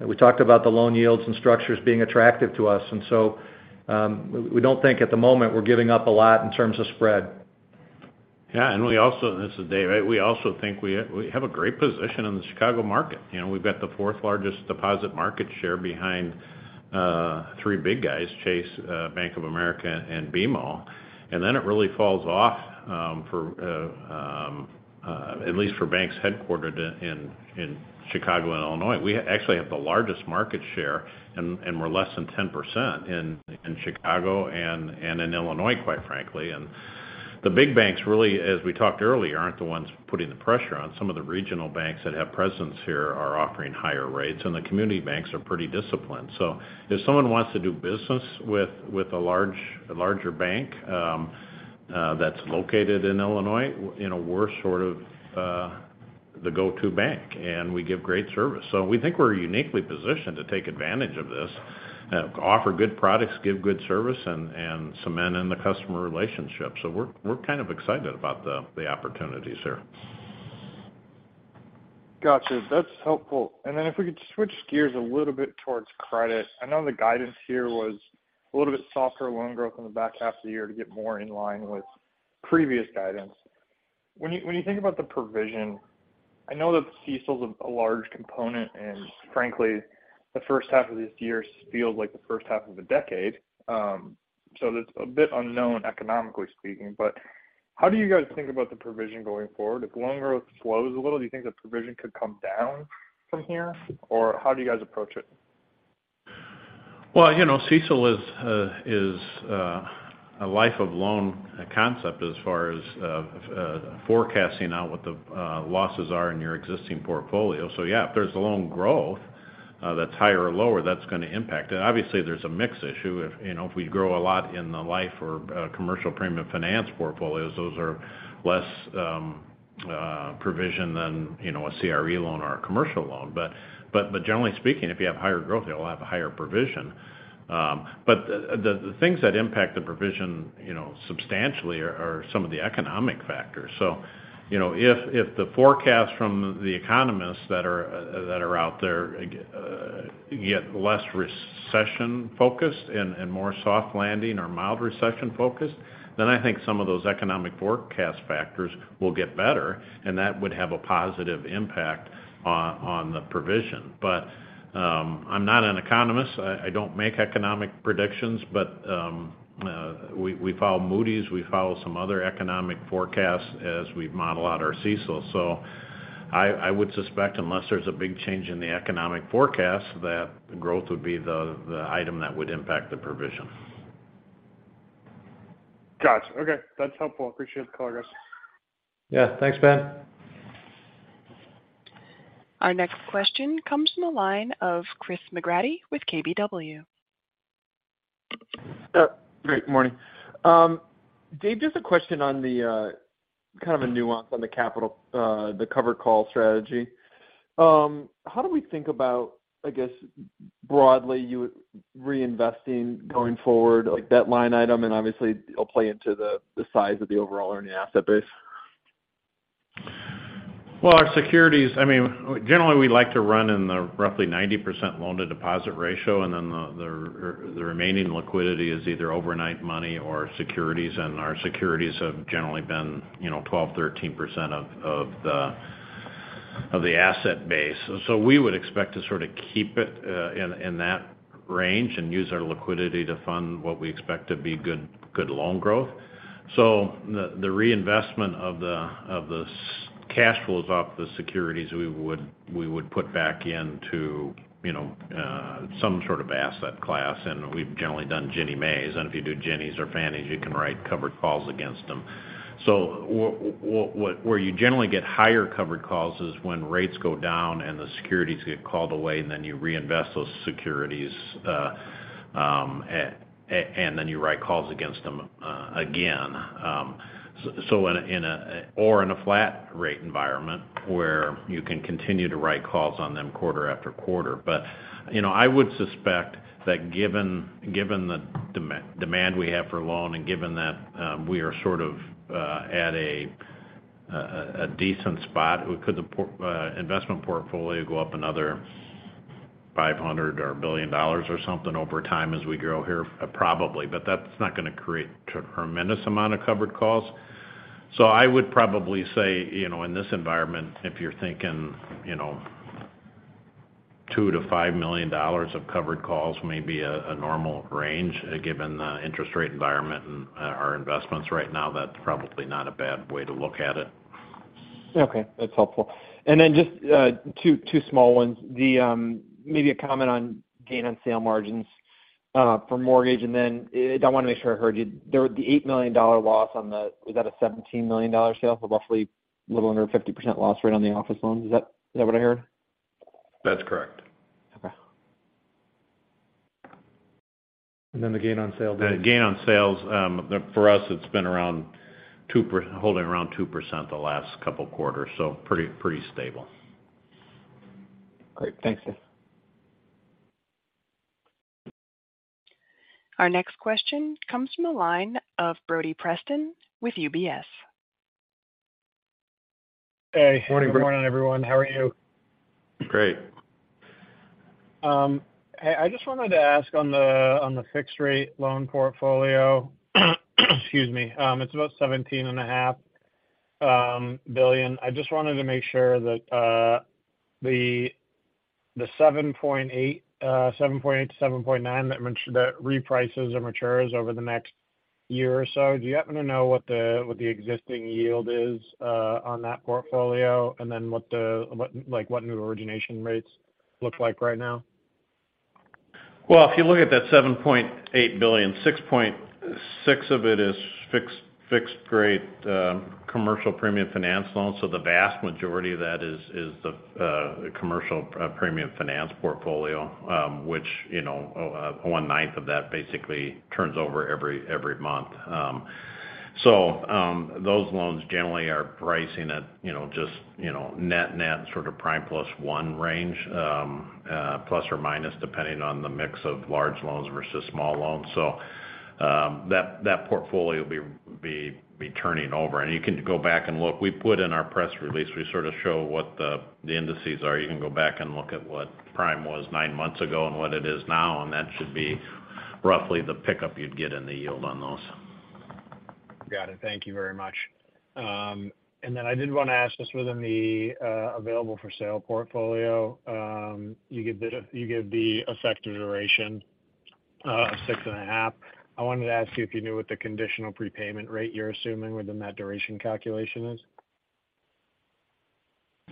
S2: We talked about the loan yields and structures being attractive to us, and so, we don't think at the moment we're giving up a lot in terms of spread.
S3: Yeah, we also, this is Dave, right? We also think we have a great position in the Chicago market. You know, we've got the fourth largest deposit market share behind three big guys, Chase, Bank of America, and BMO. Then it really falls off, at least for banks headquartered in Chicago and Illinois. We actually have the largest market share, and we're less than 10% in Chicago and in Illinois, quite frankly. The big banks, really, as we talked earlier, aren't the ones putting the pressure on. Some of the regional banks that have presence here are offering higher rates, and the community banks are pretty disciplined. If someone wants to do business with a larger bank that's located in Illinois, you know, we're sort of the go-to bank, and we give great service. We think we're uniquely positioned to take advantage of this, offer good products, give good service, and cement in the customer relationship. We're kind of excited about the opportunities here.
S9: Gotcha. That's helpful. If we could switch gears a little bit towards credit. I know the guidance here was a little bit softer loan growth in the back half of the year to get more in line with previous guidance. When you think about the provision, I know that CECL's a large component, and frankly, the first half of this year feels like the first half of the decade. It's a bit unknown, economically speaking, but how do you guys think about the provision going forward? If loan growth slows a little, do you think the provision could come down from here, or how do you guys approach it?
S3: Well, you know, CECL is a life of loan concept as far as forecasting out what the losses are in your existing portfolio. Yeah, if there's a loan growth, that's higher or lower, that's gonna impact it. Obviously, there's a mix issue. If, you know, if we grow a lot in the life or commercial premium finance portfolios, those are less provision than, you know, a CRE loan or a commercial loan. Generally speaking, if you have higher growth, you'll have a higher provision. The things that impact the provision, you know, substantially are some of the economic factors. You know, if the forecast from the economists that are that are out there get less recession-focused and more soft landing or mild recession-focused, then I think some of those economic forecast factors will get better, and that would have a positive impact on the provision. I'm not an economist. I don't make economic predictions, but we follow Moody's, we follow some other economic forecasts as we model out our CECL. I would suspect, unless there's a big change in the economic forecast, that growth would be the item that would impact the provision.
S9: Gotcha. Okay, that's helpful. Appreciate the call, guys.
S3: Yeah. Thanks, Ben.
S1: Our next question comes from the line of Chris McGratty with KBW.
S10: Great morning. Dave, just a question on the kind of a nuance on the capital, the covered call strategy. How do we think about, I guess, broadly, you reinvesting going forward, that line item, and obviously, it'll play into the size of the overall earning asset base?
S3: Well, I mean, generally, we like to run in the roughly 90% loan-to-deposit ratio, and then the remaining liquidity is either overnight money or securities. Our securities have generally been, you know, 12%, 13% of the asset base. We would expect to sort of keep it in that range and use our liquidity to fund what we expect to be good loan growth. The reinvestment of the cash flows off the securities, we would put back into, you know, some sort of asset class, and we've generally done Ginnie Maes. If you do Ginnies or Fannies, you can write covered calls against them. Where you generally get higher covered calls is when rates go down and the securities get called away, and then you reinvest those securities and then you write calls against them again. In a flat rate environment, where you can continue to write calls on them quarter after quarter. You know, I would suspect that given demand we have for loan, and given that we are sort of at a decent spot, could the investment portfolio go up another $500 or $1 billion or something over time as we grow here? Probably, but that's not gonna create a tremendous amount of covered calls. I would probably say, you know, in this environment, if you're thinking, you know, $2 million-$5 million of covered calls may be a normal range, given the interest rate environment and our investments right now, that's probably not a bad way to look at it.
S10: Okay, that's helpful. Then just two small ones. The, maybe a comment on gain on sale margins for mortgage, and then I wanna make sure I heard you. The $8 million loss on the... Was that a $17 million sale? Roughly a little under 50% loss rate on the office loans. Is that what I heard?
S3: That's correct.
S10: Okay.
S3: The gain on sale. The gain on sales, for us, it's been holding around 2% the last couple of quarters, so pretty stable.
S10: Great. Thanks, Dave.
S1: Our next question comes from the line of Brody Preston with UBS....
S11: Hey, good morning, everyone. How are you?
S3: Great.
S11: Hey, I just wanted to ask on the fixed rate loan portfolio, excuse me, it's about $17.5 billion. I just wanted to make sure that the 7.8-7.9 that reprices or matures over the next year or so, do you happen to know what the existing yield is on that portfolio? What the, what new origination rates look like right now?
S3: If you look at that $7.8 billion, $6.6 billion of it is fixed rate commercial premium finance loans. The vast majority of that is the commercial premium finance portfolio, which, you know, 1/9 of that basically turns over every month. Those loans generally are pricing at, you know, just, you know, net, sort of prime plus 1 range, plus or minus, depending on the mix of large loans versus small loans. That portfolio will be turning over. You can go back and look. We put in our press release, we sort of show what the indices are. You can go back and look at what prime was nine months ago and what it is now, and that should be roughly the pickup you'd get in the yield on those.
S11: Got it. Thank you very much. I did want to ask, just within the available for sale portfolio, you give the effective duration, 6.5. I wanted to ask you if you knew what the conditional prepayment rate you're assuming within that duration calculation is?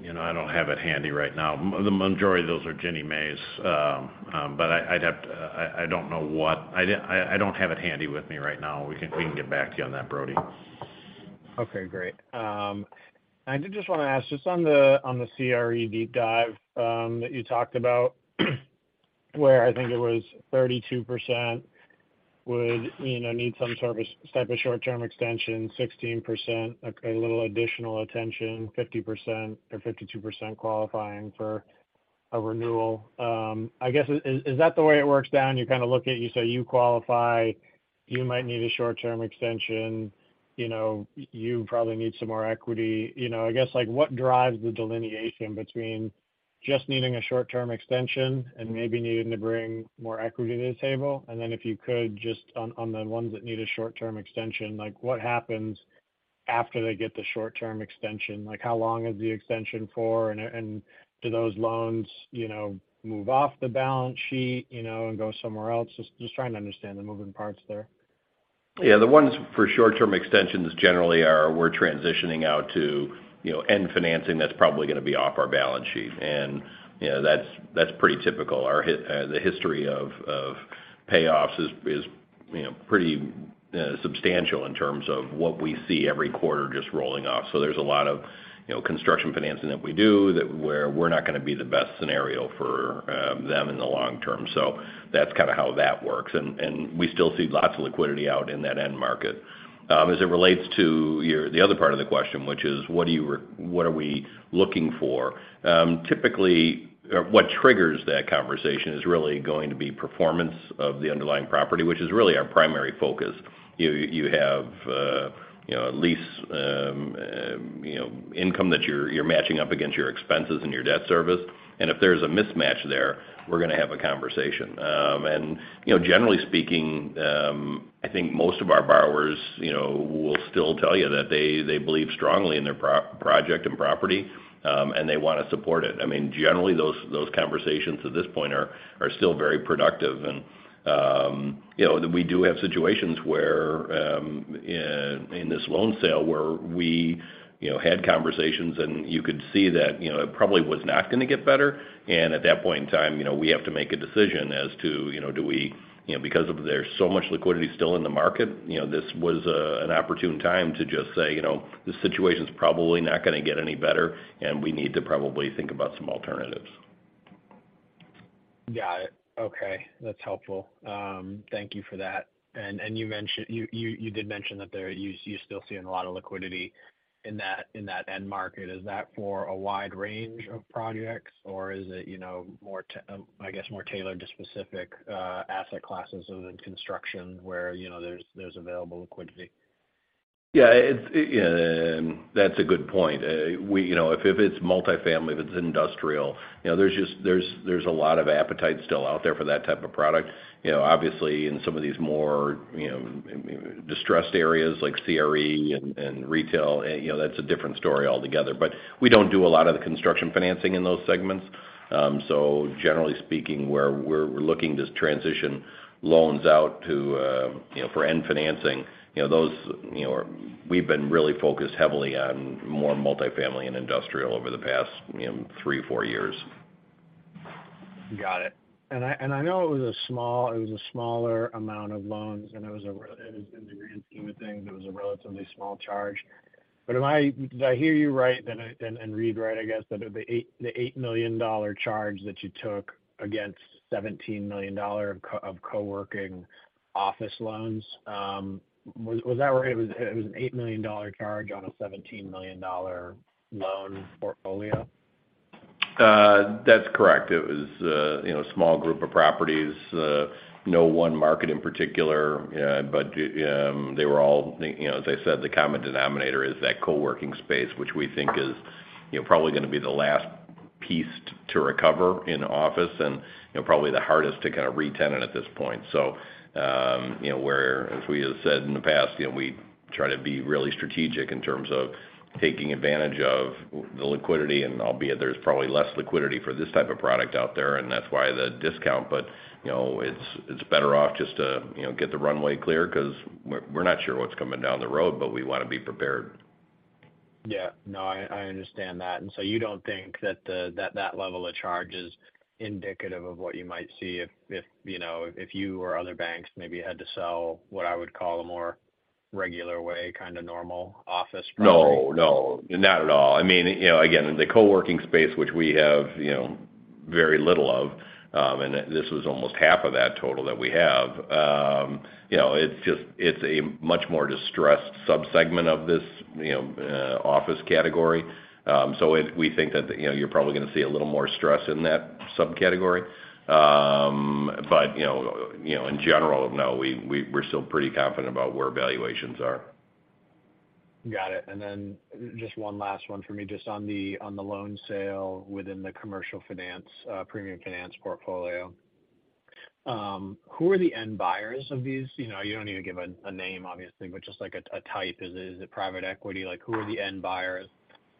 S3: You know, I don't have it handy right now. The majority of those are Ginnie Mae's. I'd have to... I don't know I don't have it handy with me right now. We can get back to you on that, Brody.
S11: Okay, great. I did just want to ask, just on the CRE deep dive that you talked about, where I think it was 32% would, you know, need some service, type of short-term extension, 16%, a little additional attention, 50% or 52% qualifying for a renewal. I guess, is that the way it works down? You kind of look at, you say, you qualify, you might need a short-term extension, you know, you probably need some more equity. You know, I guess, like, what drives the delineation between just needing a short-term extension and maybe needing to bring more equity to the table? If you could, just on the ones that need a short-term extension, like, what happens after they get the short-term extension? Like, how long is the extension for? Do those loans, you know, move off the balance sheet, you know, and go somewhere else? Just trying to understand the moving parts there.
S3: Yeah, the ones for short-term extensions generally are, we're transitioning out to, you know, end financing that's probably going to be off our balance sheet. You know, that's pretty typical. Our history of payoffs is, you know, pretty substantial in terms of what we see every quarter just rolling off. There's a lot of, you know, construction financing that we do, where we're not going to be the best scenario for them in the long term. That's kind of how that works. We still see lots of liquidity out in that end market. As it relates to your, the other part of the question, which is: What are we looking for? Typically, what triggers that conversation is really going to be performance of the underlying property, which is really our primary focus. You have, you know, a lease, you know, income that you're matching up against your expenses and your debt service, and if there's a mismatch there, we're going to have a conversation. You know, generally speaking, I think most of our borrowers, you know, will still tell you that they believe strongly in their project and property, and they want to support it. I mean, generally, those conversations at this point are still very productive. You know, that we do have situations where, in this loan sale, where we, you know, had conversations, and you could see that, you know, it probably was not going to get better. At that point in time, you know, we have to make a decision as to, you know, do we, you know, because of there's so much liquidity still in the market, you know, this was an opportune time to just say, you know, "This situation's probably not going to get any better, and we need to probably think about some alternatives.
S11: Got it. Okay, that's helpful. Thank you for that. You did mention that there, you're still seeing a lot of liquidity in that end market. Is that for a wide range of projects, or is it, you know, more tailored to specific asset classes within construction where, you know, there's available liquidity?
S3: Yeah, it's. That's a good point. You know, if it's multifamily, if it's industrial, you know, there's just, there's a lot of appetite still out there for that type of product. You know, obviously, in some of these more, you know, distressed areas like CRE and retail, you know, that's a different story altogether. We don't do a lot of the construction financing in those segments. Generally speaking, where we're looking to transition loans out to, you know, for end financing, you know, those, you know, we've been really focused heavily on more multifamily and industrial over the past, you know, three, four years.
S11: Got it. I know it was a smaller amount of loans, and it was in the grand scheme of things, it was a relatively small charge. Did I hear you right, and I, and read right, I guess, that it, the $8 million charge that you took against $17 million of co-working office loans? Was that right? It was an $8 million charge on a $17 million loan portfolio?...
S3: That's correct. It was a, you know, small group of properties, no one market in particular, but, they were all, you know, as I said, the common denominator is that co-working space, which we think is, you know, probably gonna be the last piece to recover in office, and, you know, probably the hardest to kind of re-tenant at this point. You know, where, as we have said in the past, you know, we try to be really strategic in terms of taking advantage of the liquidity, and albeit there's probably less liquidity for this type of product out there, and that's why the discount. You know, it's better off just to, you know, get the runway clear 'cause we're not sure what's coming down the road, but we wanna be prepared.
S11: Yeah. No, I understand that. You don't think that that level of charge is indicative of what you might see if, you know, if you or other banks maybe had to sell what I would call a more regular way, kind of normal office property?
S3: No, no, not at all. I mean, you know, again, in the co-working space, which we have, you know, very little of, and this was almost half of that total that we have. You know, it's a much more distressed subsegment of this, you know, office category. We think that, you know, you're probably gonna see a little more stress in that subcategory. You know, you know, in general, no, we're still pretty confident about where valuations are.
S11: Got it. Just one last one for me, just on the loan sale within the commercial finance, premium finance portfolio. Who are the end buyers of these? You know, you don't need to give a name, obviously, but just like a type. Is it private equity? Like, who are the end buyers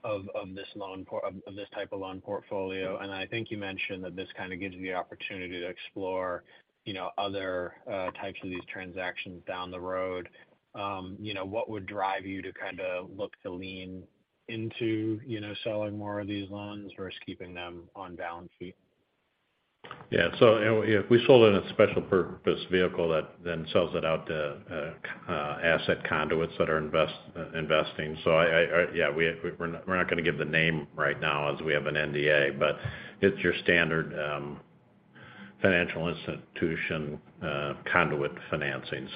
S11: of this type of loan portfolio? I think you mentioned that this kind of gives you the opportunity to explore, you know, other types of these transactions down the road. You know, what would drive you to kind of look to lean into, you know, selling more of these loans versus keeping them on balance sheet?
S3: Yeah. you know, we sold in a special purpose vehicle that then sells it out to asset conduits that are investing. Yeah, we're not gonna give the name right now as we have an NDA, but it's your standard financial institution conduit financing.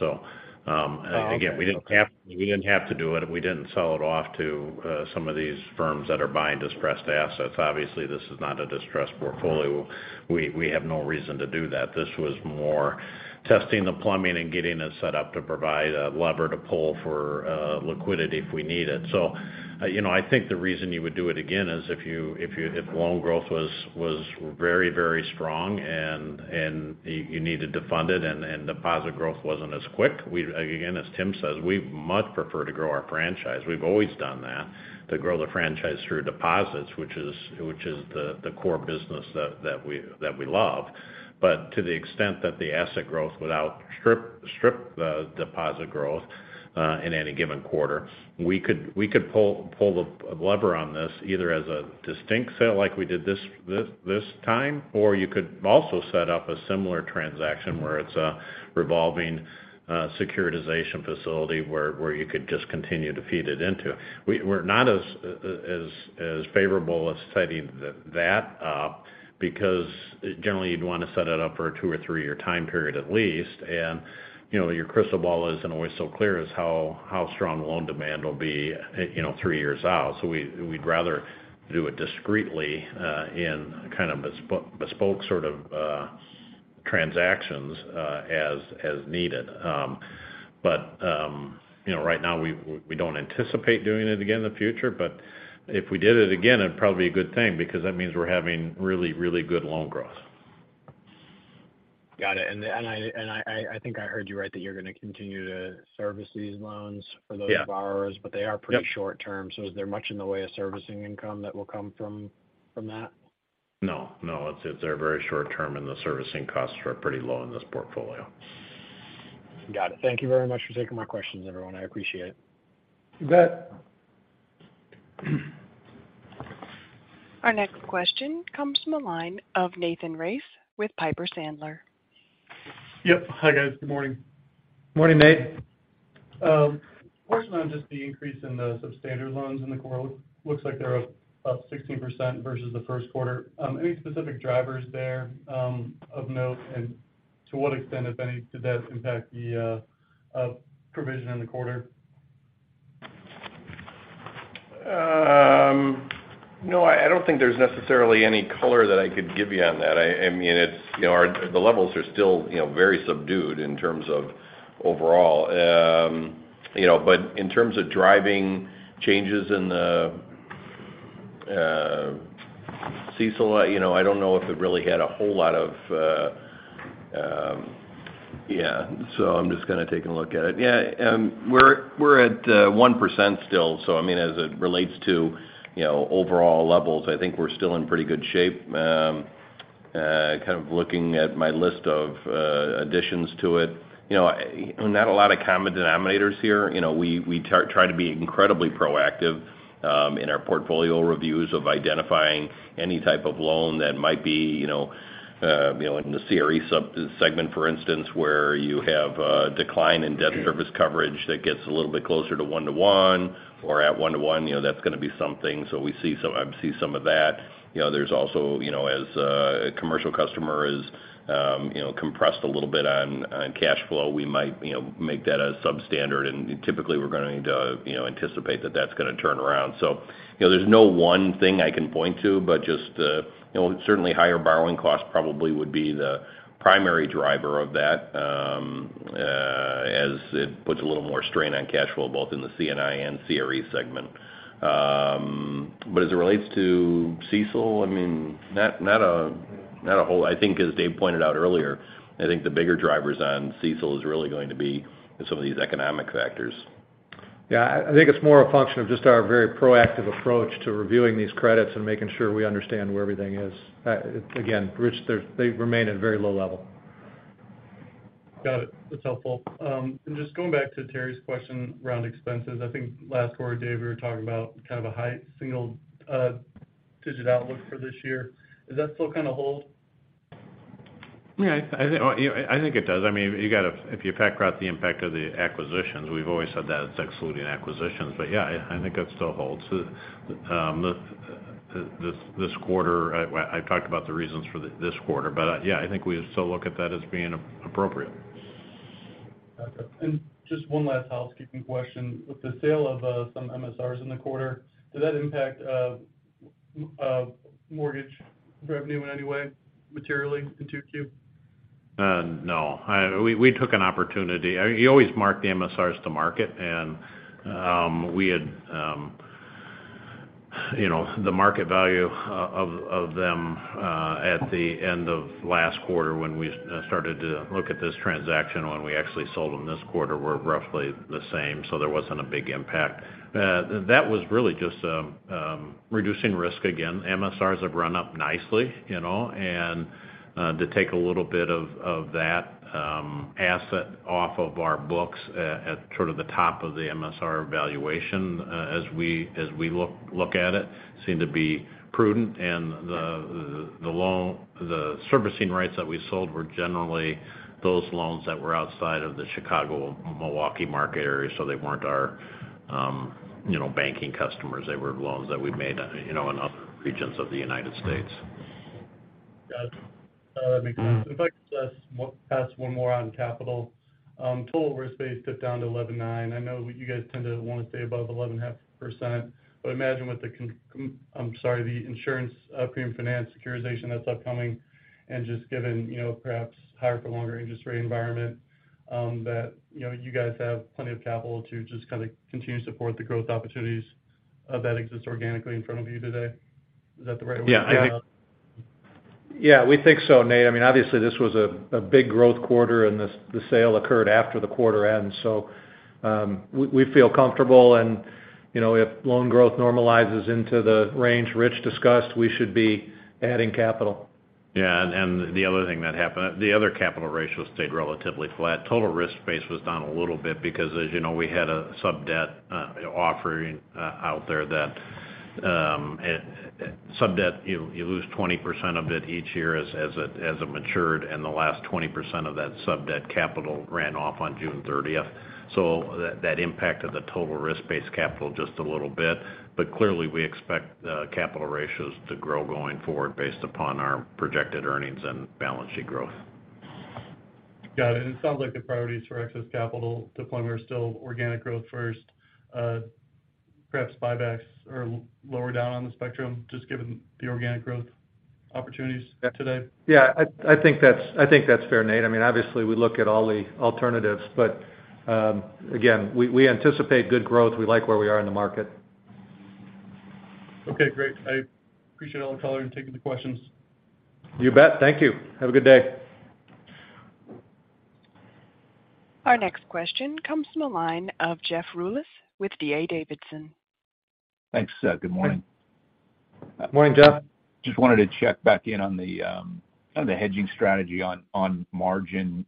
S11: Okay.
S3: We didn't have to do it, and we didn't sell it off to some of these firms that are buying distressed assets. Obviously, this is not a distressed portfolio. We have no reason to do that. This was more testing the plumbing and getting it set up to provide a lever to pull for liquidity if we need it. You know, I think the reason you would do it again is if loan growth was very, very strong and you needed to fund it, and deposit growth wasn't as quick. We, again, as Tim says, we much prefer to grow our franchise. We've always done that, to grow the franchise through deposits, which is the core business that we love. To the extent that the asset growth without strip the deposit growth, in any given quarter, we could pull the lever on this, either as a distinct sale like we did this time, or you could also set up a similar transaction where it's a revolving securitization facility, where you could just continue to feed it into. We're not as favorable as setting that up, because generally you'd want to set it up for a two or three-year time period at least. You know, your crystal ball isn't always so clear as how strong loan demand will be, you know, three years out. We'd rather do it discreetly, in kind of bespoke sort of transactions, as needed. You know, right now, we don't anticipate doing it again in the future, but if we did it again, it'd probably be a good thing because that means we're having really good loan growth.
S11: Got it. I think I heard you right, that you're gonna continue to service these loans.
S3: Yeah...
S11: borrowers, but they are pretty-.
S3: Yep
S11: short term, is there much in the way of servicing income that will come from that?
S3: No, no, it's a very short term. The servicing costs are pretty low in this portfolio.
S11: Got it. Thank you very much for taking my questions, everyone. I appreciate it.
S3: You bet.
S1: Our next question comes from the line of Nathan Race with Piper Sandler.
S12: Yep. Hi, guys. Good morning.
S3: Morning, Nate.
S12: First, on just the increase in the substandard loans in the quarter, looks like they're up 16% versus the first quarter. Any specific drivers there of note? To what extent, if any, did that impact the provision in the quarter?
S3: No, I don't think there's necessarily any color that I could give you on that. I mean, it's, you know, the levels are still, you know, very subdued in terms of overall. You know, in terms of driving changes in the CECL, you know, I don't know if it really had a whole lot of. I'm just gonna take a look at it. We're at 1% still. I mean, as it relates to, you know, overall levels, I think we're still in pretty good shape. Kind of looking at my list of additions to it, you know, not a lot of common denominators here. You know, we try to be incredibly proactive in our portfolio reviews of identifying any type of loan that might be, you know, in the CRE sub-segment, for instance, where you have a decline in debt service coverage that gets a little bit closer to 1 to 1 or at 1 to 1, you know, that's gonna be something. We see some of that. You know, there's also, you know, as a commercial customer is, you know, compressed a little bit on cash flow, we might, you know, make that as substandard, and typically we're going to, you know, anticipate that that's gonna turn around. You know, there's no one thing I can point to, but just, you know, certainly higher borrowing costs probably would be the primary driver of that. as it puts a little more strain on cash flow, both in the CNI and CRE segment. As it relates to CECL, I mean, I think as Dave pointed out earlier, I think the bigger drivers on CECL is really going to be some of these economic factors.
S2: Yeah, I think it's more a function of just our very proactive approach to reviewing these credits and making sure we understand where everything is. Again, Rich, they remain at a very low level.
S12: Got it. That's helpful. Just going back to Terry's question around expenses. I think last quarter, Dave, we were talking about kind of a high single digit outlook for this year. Does that still kind of hold?
S3: Yeah, I think, you know, I think it does. I mean, if you factor out the impact of the acquisitions, we've always said that it's excluding acquisitions. Yeah, I think that still holds. This quarter, I've talked about the reasons for this quarter, yeah, I think we still look at that as being appropriate.
S12: Okay. Just one last housekeeping question. With the sale of some MSRs in the quarter, did that impact mortgage revenue in any way materially in 2Q?
S3: No. We took an opportunity. You always mark the MSRs to market. You know, the market value of them, at the end of last quarter when we started to look at this transaction, when we actually sold them this quarter, were roughly the same. There wasn't a big impact. That was really just reducing risk again. MSRs have run up nicely. You know, to take a little bit of that asset off of our books at sort of the top of the MSR valuation, as we look at it, seemed to be prudent. The servicing rights that we sold were generally those loans that were outside of the Chicago-Milwaukee market area, so they weren't our, you know, banking customers. They were loans that we'd made, you know, in other regions of the United States.
S12: Got it. That makes sense. If I could just ask one more on capital. Total risk-based dipped down to 11.9%. I know you guys tend to want to stay above 11.5%, but I imagine with the insurance premium finance securitization that's upcoming, and just given, you know, perhaps higher for longer interest rate environment, that, you know, you guys have plenty of capital to just kind of continue to support the growth opportunities that exist organically in front of you today. Is that the right way to think about it?
S3: Yeah.
S2: We think so, Nate. I mean, obviously, this was a big growth quarter, and the sale occurred after the quarter end. We feel comfortable and, you know, if loan growth normalizes into the range Rich discussed, we should be adding capital.
S3: The other thing that happened, the other capital ratio stayed relatively flat. Total risk base was down a little bit because, as you know, we had a sub-debt offering out there that sub-debt, you lose 20% of it each year as it matured, and the last 20% of that sub-debt capital ran off on June 30th. That impacted the total risk-based capital just a little bit. Clearly, we expect the capital ratios to grow going forward based upon our projected earnings and balance sheet growth.
S12: Got it. It sounds like the priorities for excess capital deployment are still organic growth first, perhaps buybacks are lower down on the spectrum, just given the organic growth opportunities today?
S2: Yeah, I think that's fair, Nate. I mean, obviously, we look at all the alternatives, but, again, we anticipate good growth. We like where we are in the market.
S12: Okay, great. I appreciate all the color and taking the questions.
S2: You bet. Thank you. Have a good day.
S1: Our next question comes from the line of Jeff Rulis with D.A. Davidson.
S13: Thanks, good morning.
S2: Morning, Jeff.
S13: Just wanted to check back in on the hedging strategy on margin.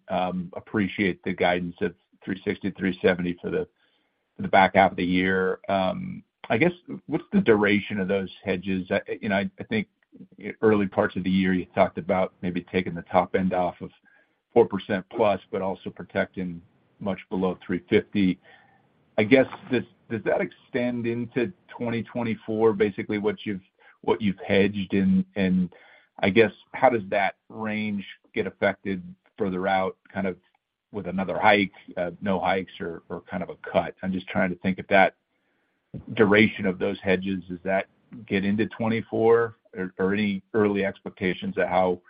S13: Appreciate the guidance of 3.60%-3.70% for the back half of the year. I guess, what's the duration of those hedges? You know, I think early parts of the year, you talked about maybe taking the top end off of 4%+ but also protecting much below 3.50%. I guess, does that extend into 2024, basically what you've hedged? I guess, how does that range get affected further out, kind of with another hike, no hikes or kind of a cut? I'm just trying to think if that duration of those hedges, does that get into 2024 or any early expectations of how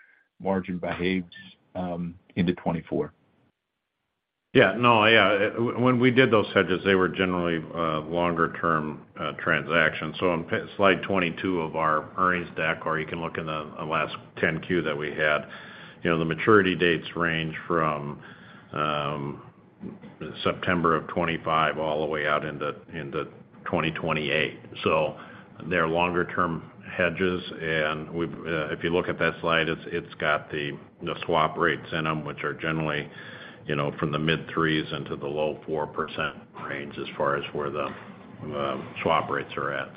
S13: margin behaves into 2024?
S3: Yeah. No, yeah, when we did those hedges, they were generally longer term transactions. On slide 22 of our earnings deck, or you can look in the last 10-Q that we had, you know, the maturity dates range from September of 2025 all the way out into 2028. They're longer-term hedges, and we've, if you look at that slide, it's got the swap rates in them, which are generally, you know, from the mid-3s into the low 4% range as far as where the swap rates are at.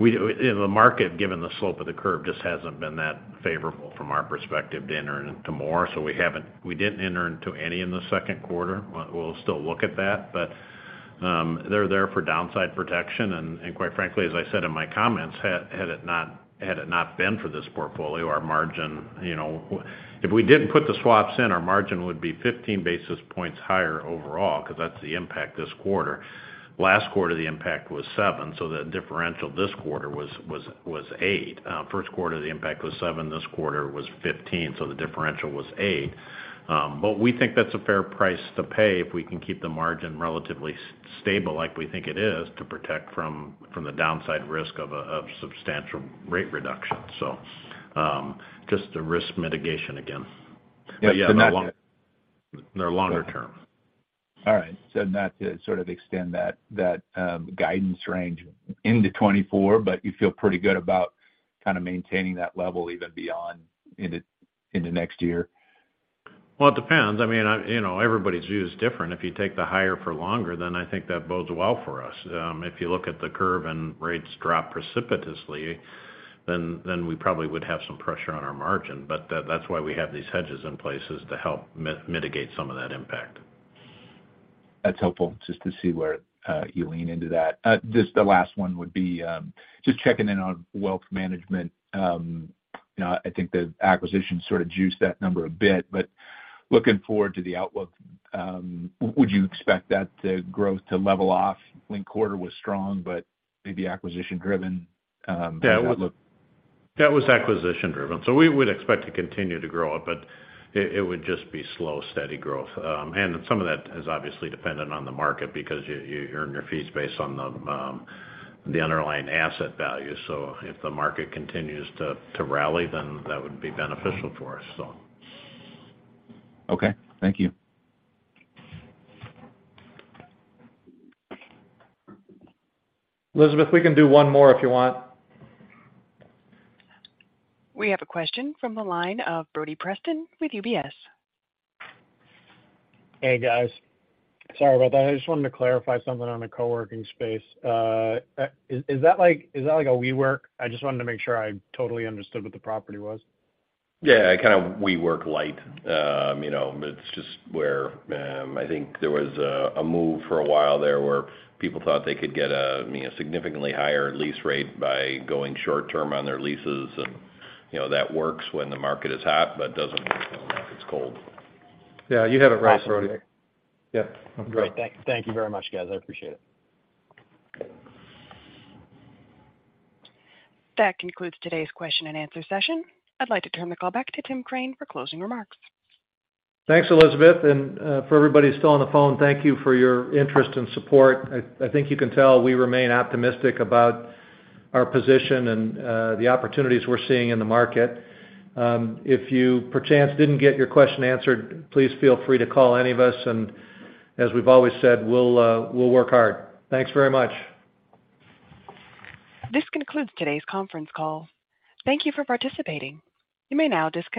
S3: We, the market, given the slope of the curve, just hasn't been that favorable from our perspective to enter into more, we didn't enter into any in the second quarter. We'll still look at that, but they're there for downside protection. Quite frankly, as I said in my comments, had it not been for this portfolio, our margin, you know, if we didn't put the swaps in, our margin would be 15 basis points higher overall, because that's the impact this quarter. Last quarter, the impact was 7, so the differential this quarter was 8. First quarter, the impact was 7, this quarter was 15, so the differential was 8. We think that's a fair price to pay if we can keep the margin relatively stable, like we think it is, to protect from the downside risk of substantial rate reduction. Just a risk mitigation again. Yeah, they're longer term.
S13: All right. not to sort of extend that, guidance range into 2024, but you feel pretty good about kind of maintaining that level even beyond into next year?
S3: Well, it depends. I mean, I, you know, everybody's view is different. If you take the higher for longer, then I think that bodes well for us. If you look at the curve and rates drop precipitously, then we probably would have some pressure on our margin. That's why we have these hedges in place, to help mitigate some of that impact.
S13: That's helpful, just to see where, you lean into that. Just the last one would be, just checking in on wealth management. You know, I think the acquisition sort of juiced that number a bit, but looking forward to the outlook, would you expect that, the growth to level off? Linked-quarter was strong, but maybe acquisition-driven, outlook.
S3: That was acquisition-driven, we would expect to continue to grow it, but it would just be slow, steady growth. Some of that is obviously dependent on the market because you earn your fees based on the underlying asset value. If the market continues to rally, that would be beneficial for us.
S13: Okay, thank you.
S2: Elizabeth, we can do one more if you want.
S1: We have a question from the line of Brody Preston with UBS.
S11: Hey, guys. Sorry about that. I just wanted to clarify something on the co-working space. Is that like a WeWork? I just wanted to make sure I totally understood what the property was.
S3: Yeah, kind of WeWork light. You know, it's just where, I think there was a move for a while there, where people thought they could get a, you know, a significantly higher lease rate by going short term on their leases. You know, that works when the market is hot, but doesn't work when the market's cold.
S2: Yeah, you have it right, Brody. Yeah, great.
S11: Thank you very much, guys. I appreciate it.
S1: That concludes today's question and answer session. I'd like to turn the call back to Tim Crane for closing remarks.
S2: Thanks, Elizabeth, for everybody still on the phone, thank you for your interest and support. I think you can tell we remain optimistic about our position and the opportunities we're seeing in the market. If you, per chance, didn't get your question answered, please feel free to call any of us, and as we've always said, we'll work hard. Thanks very much.
S1: This concludes today's conference call. Thank you for participating. You may now disconnect.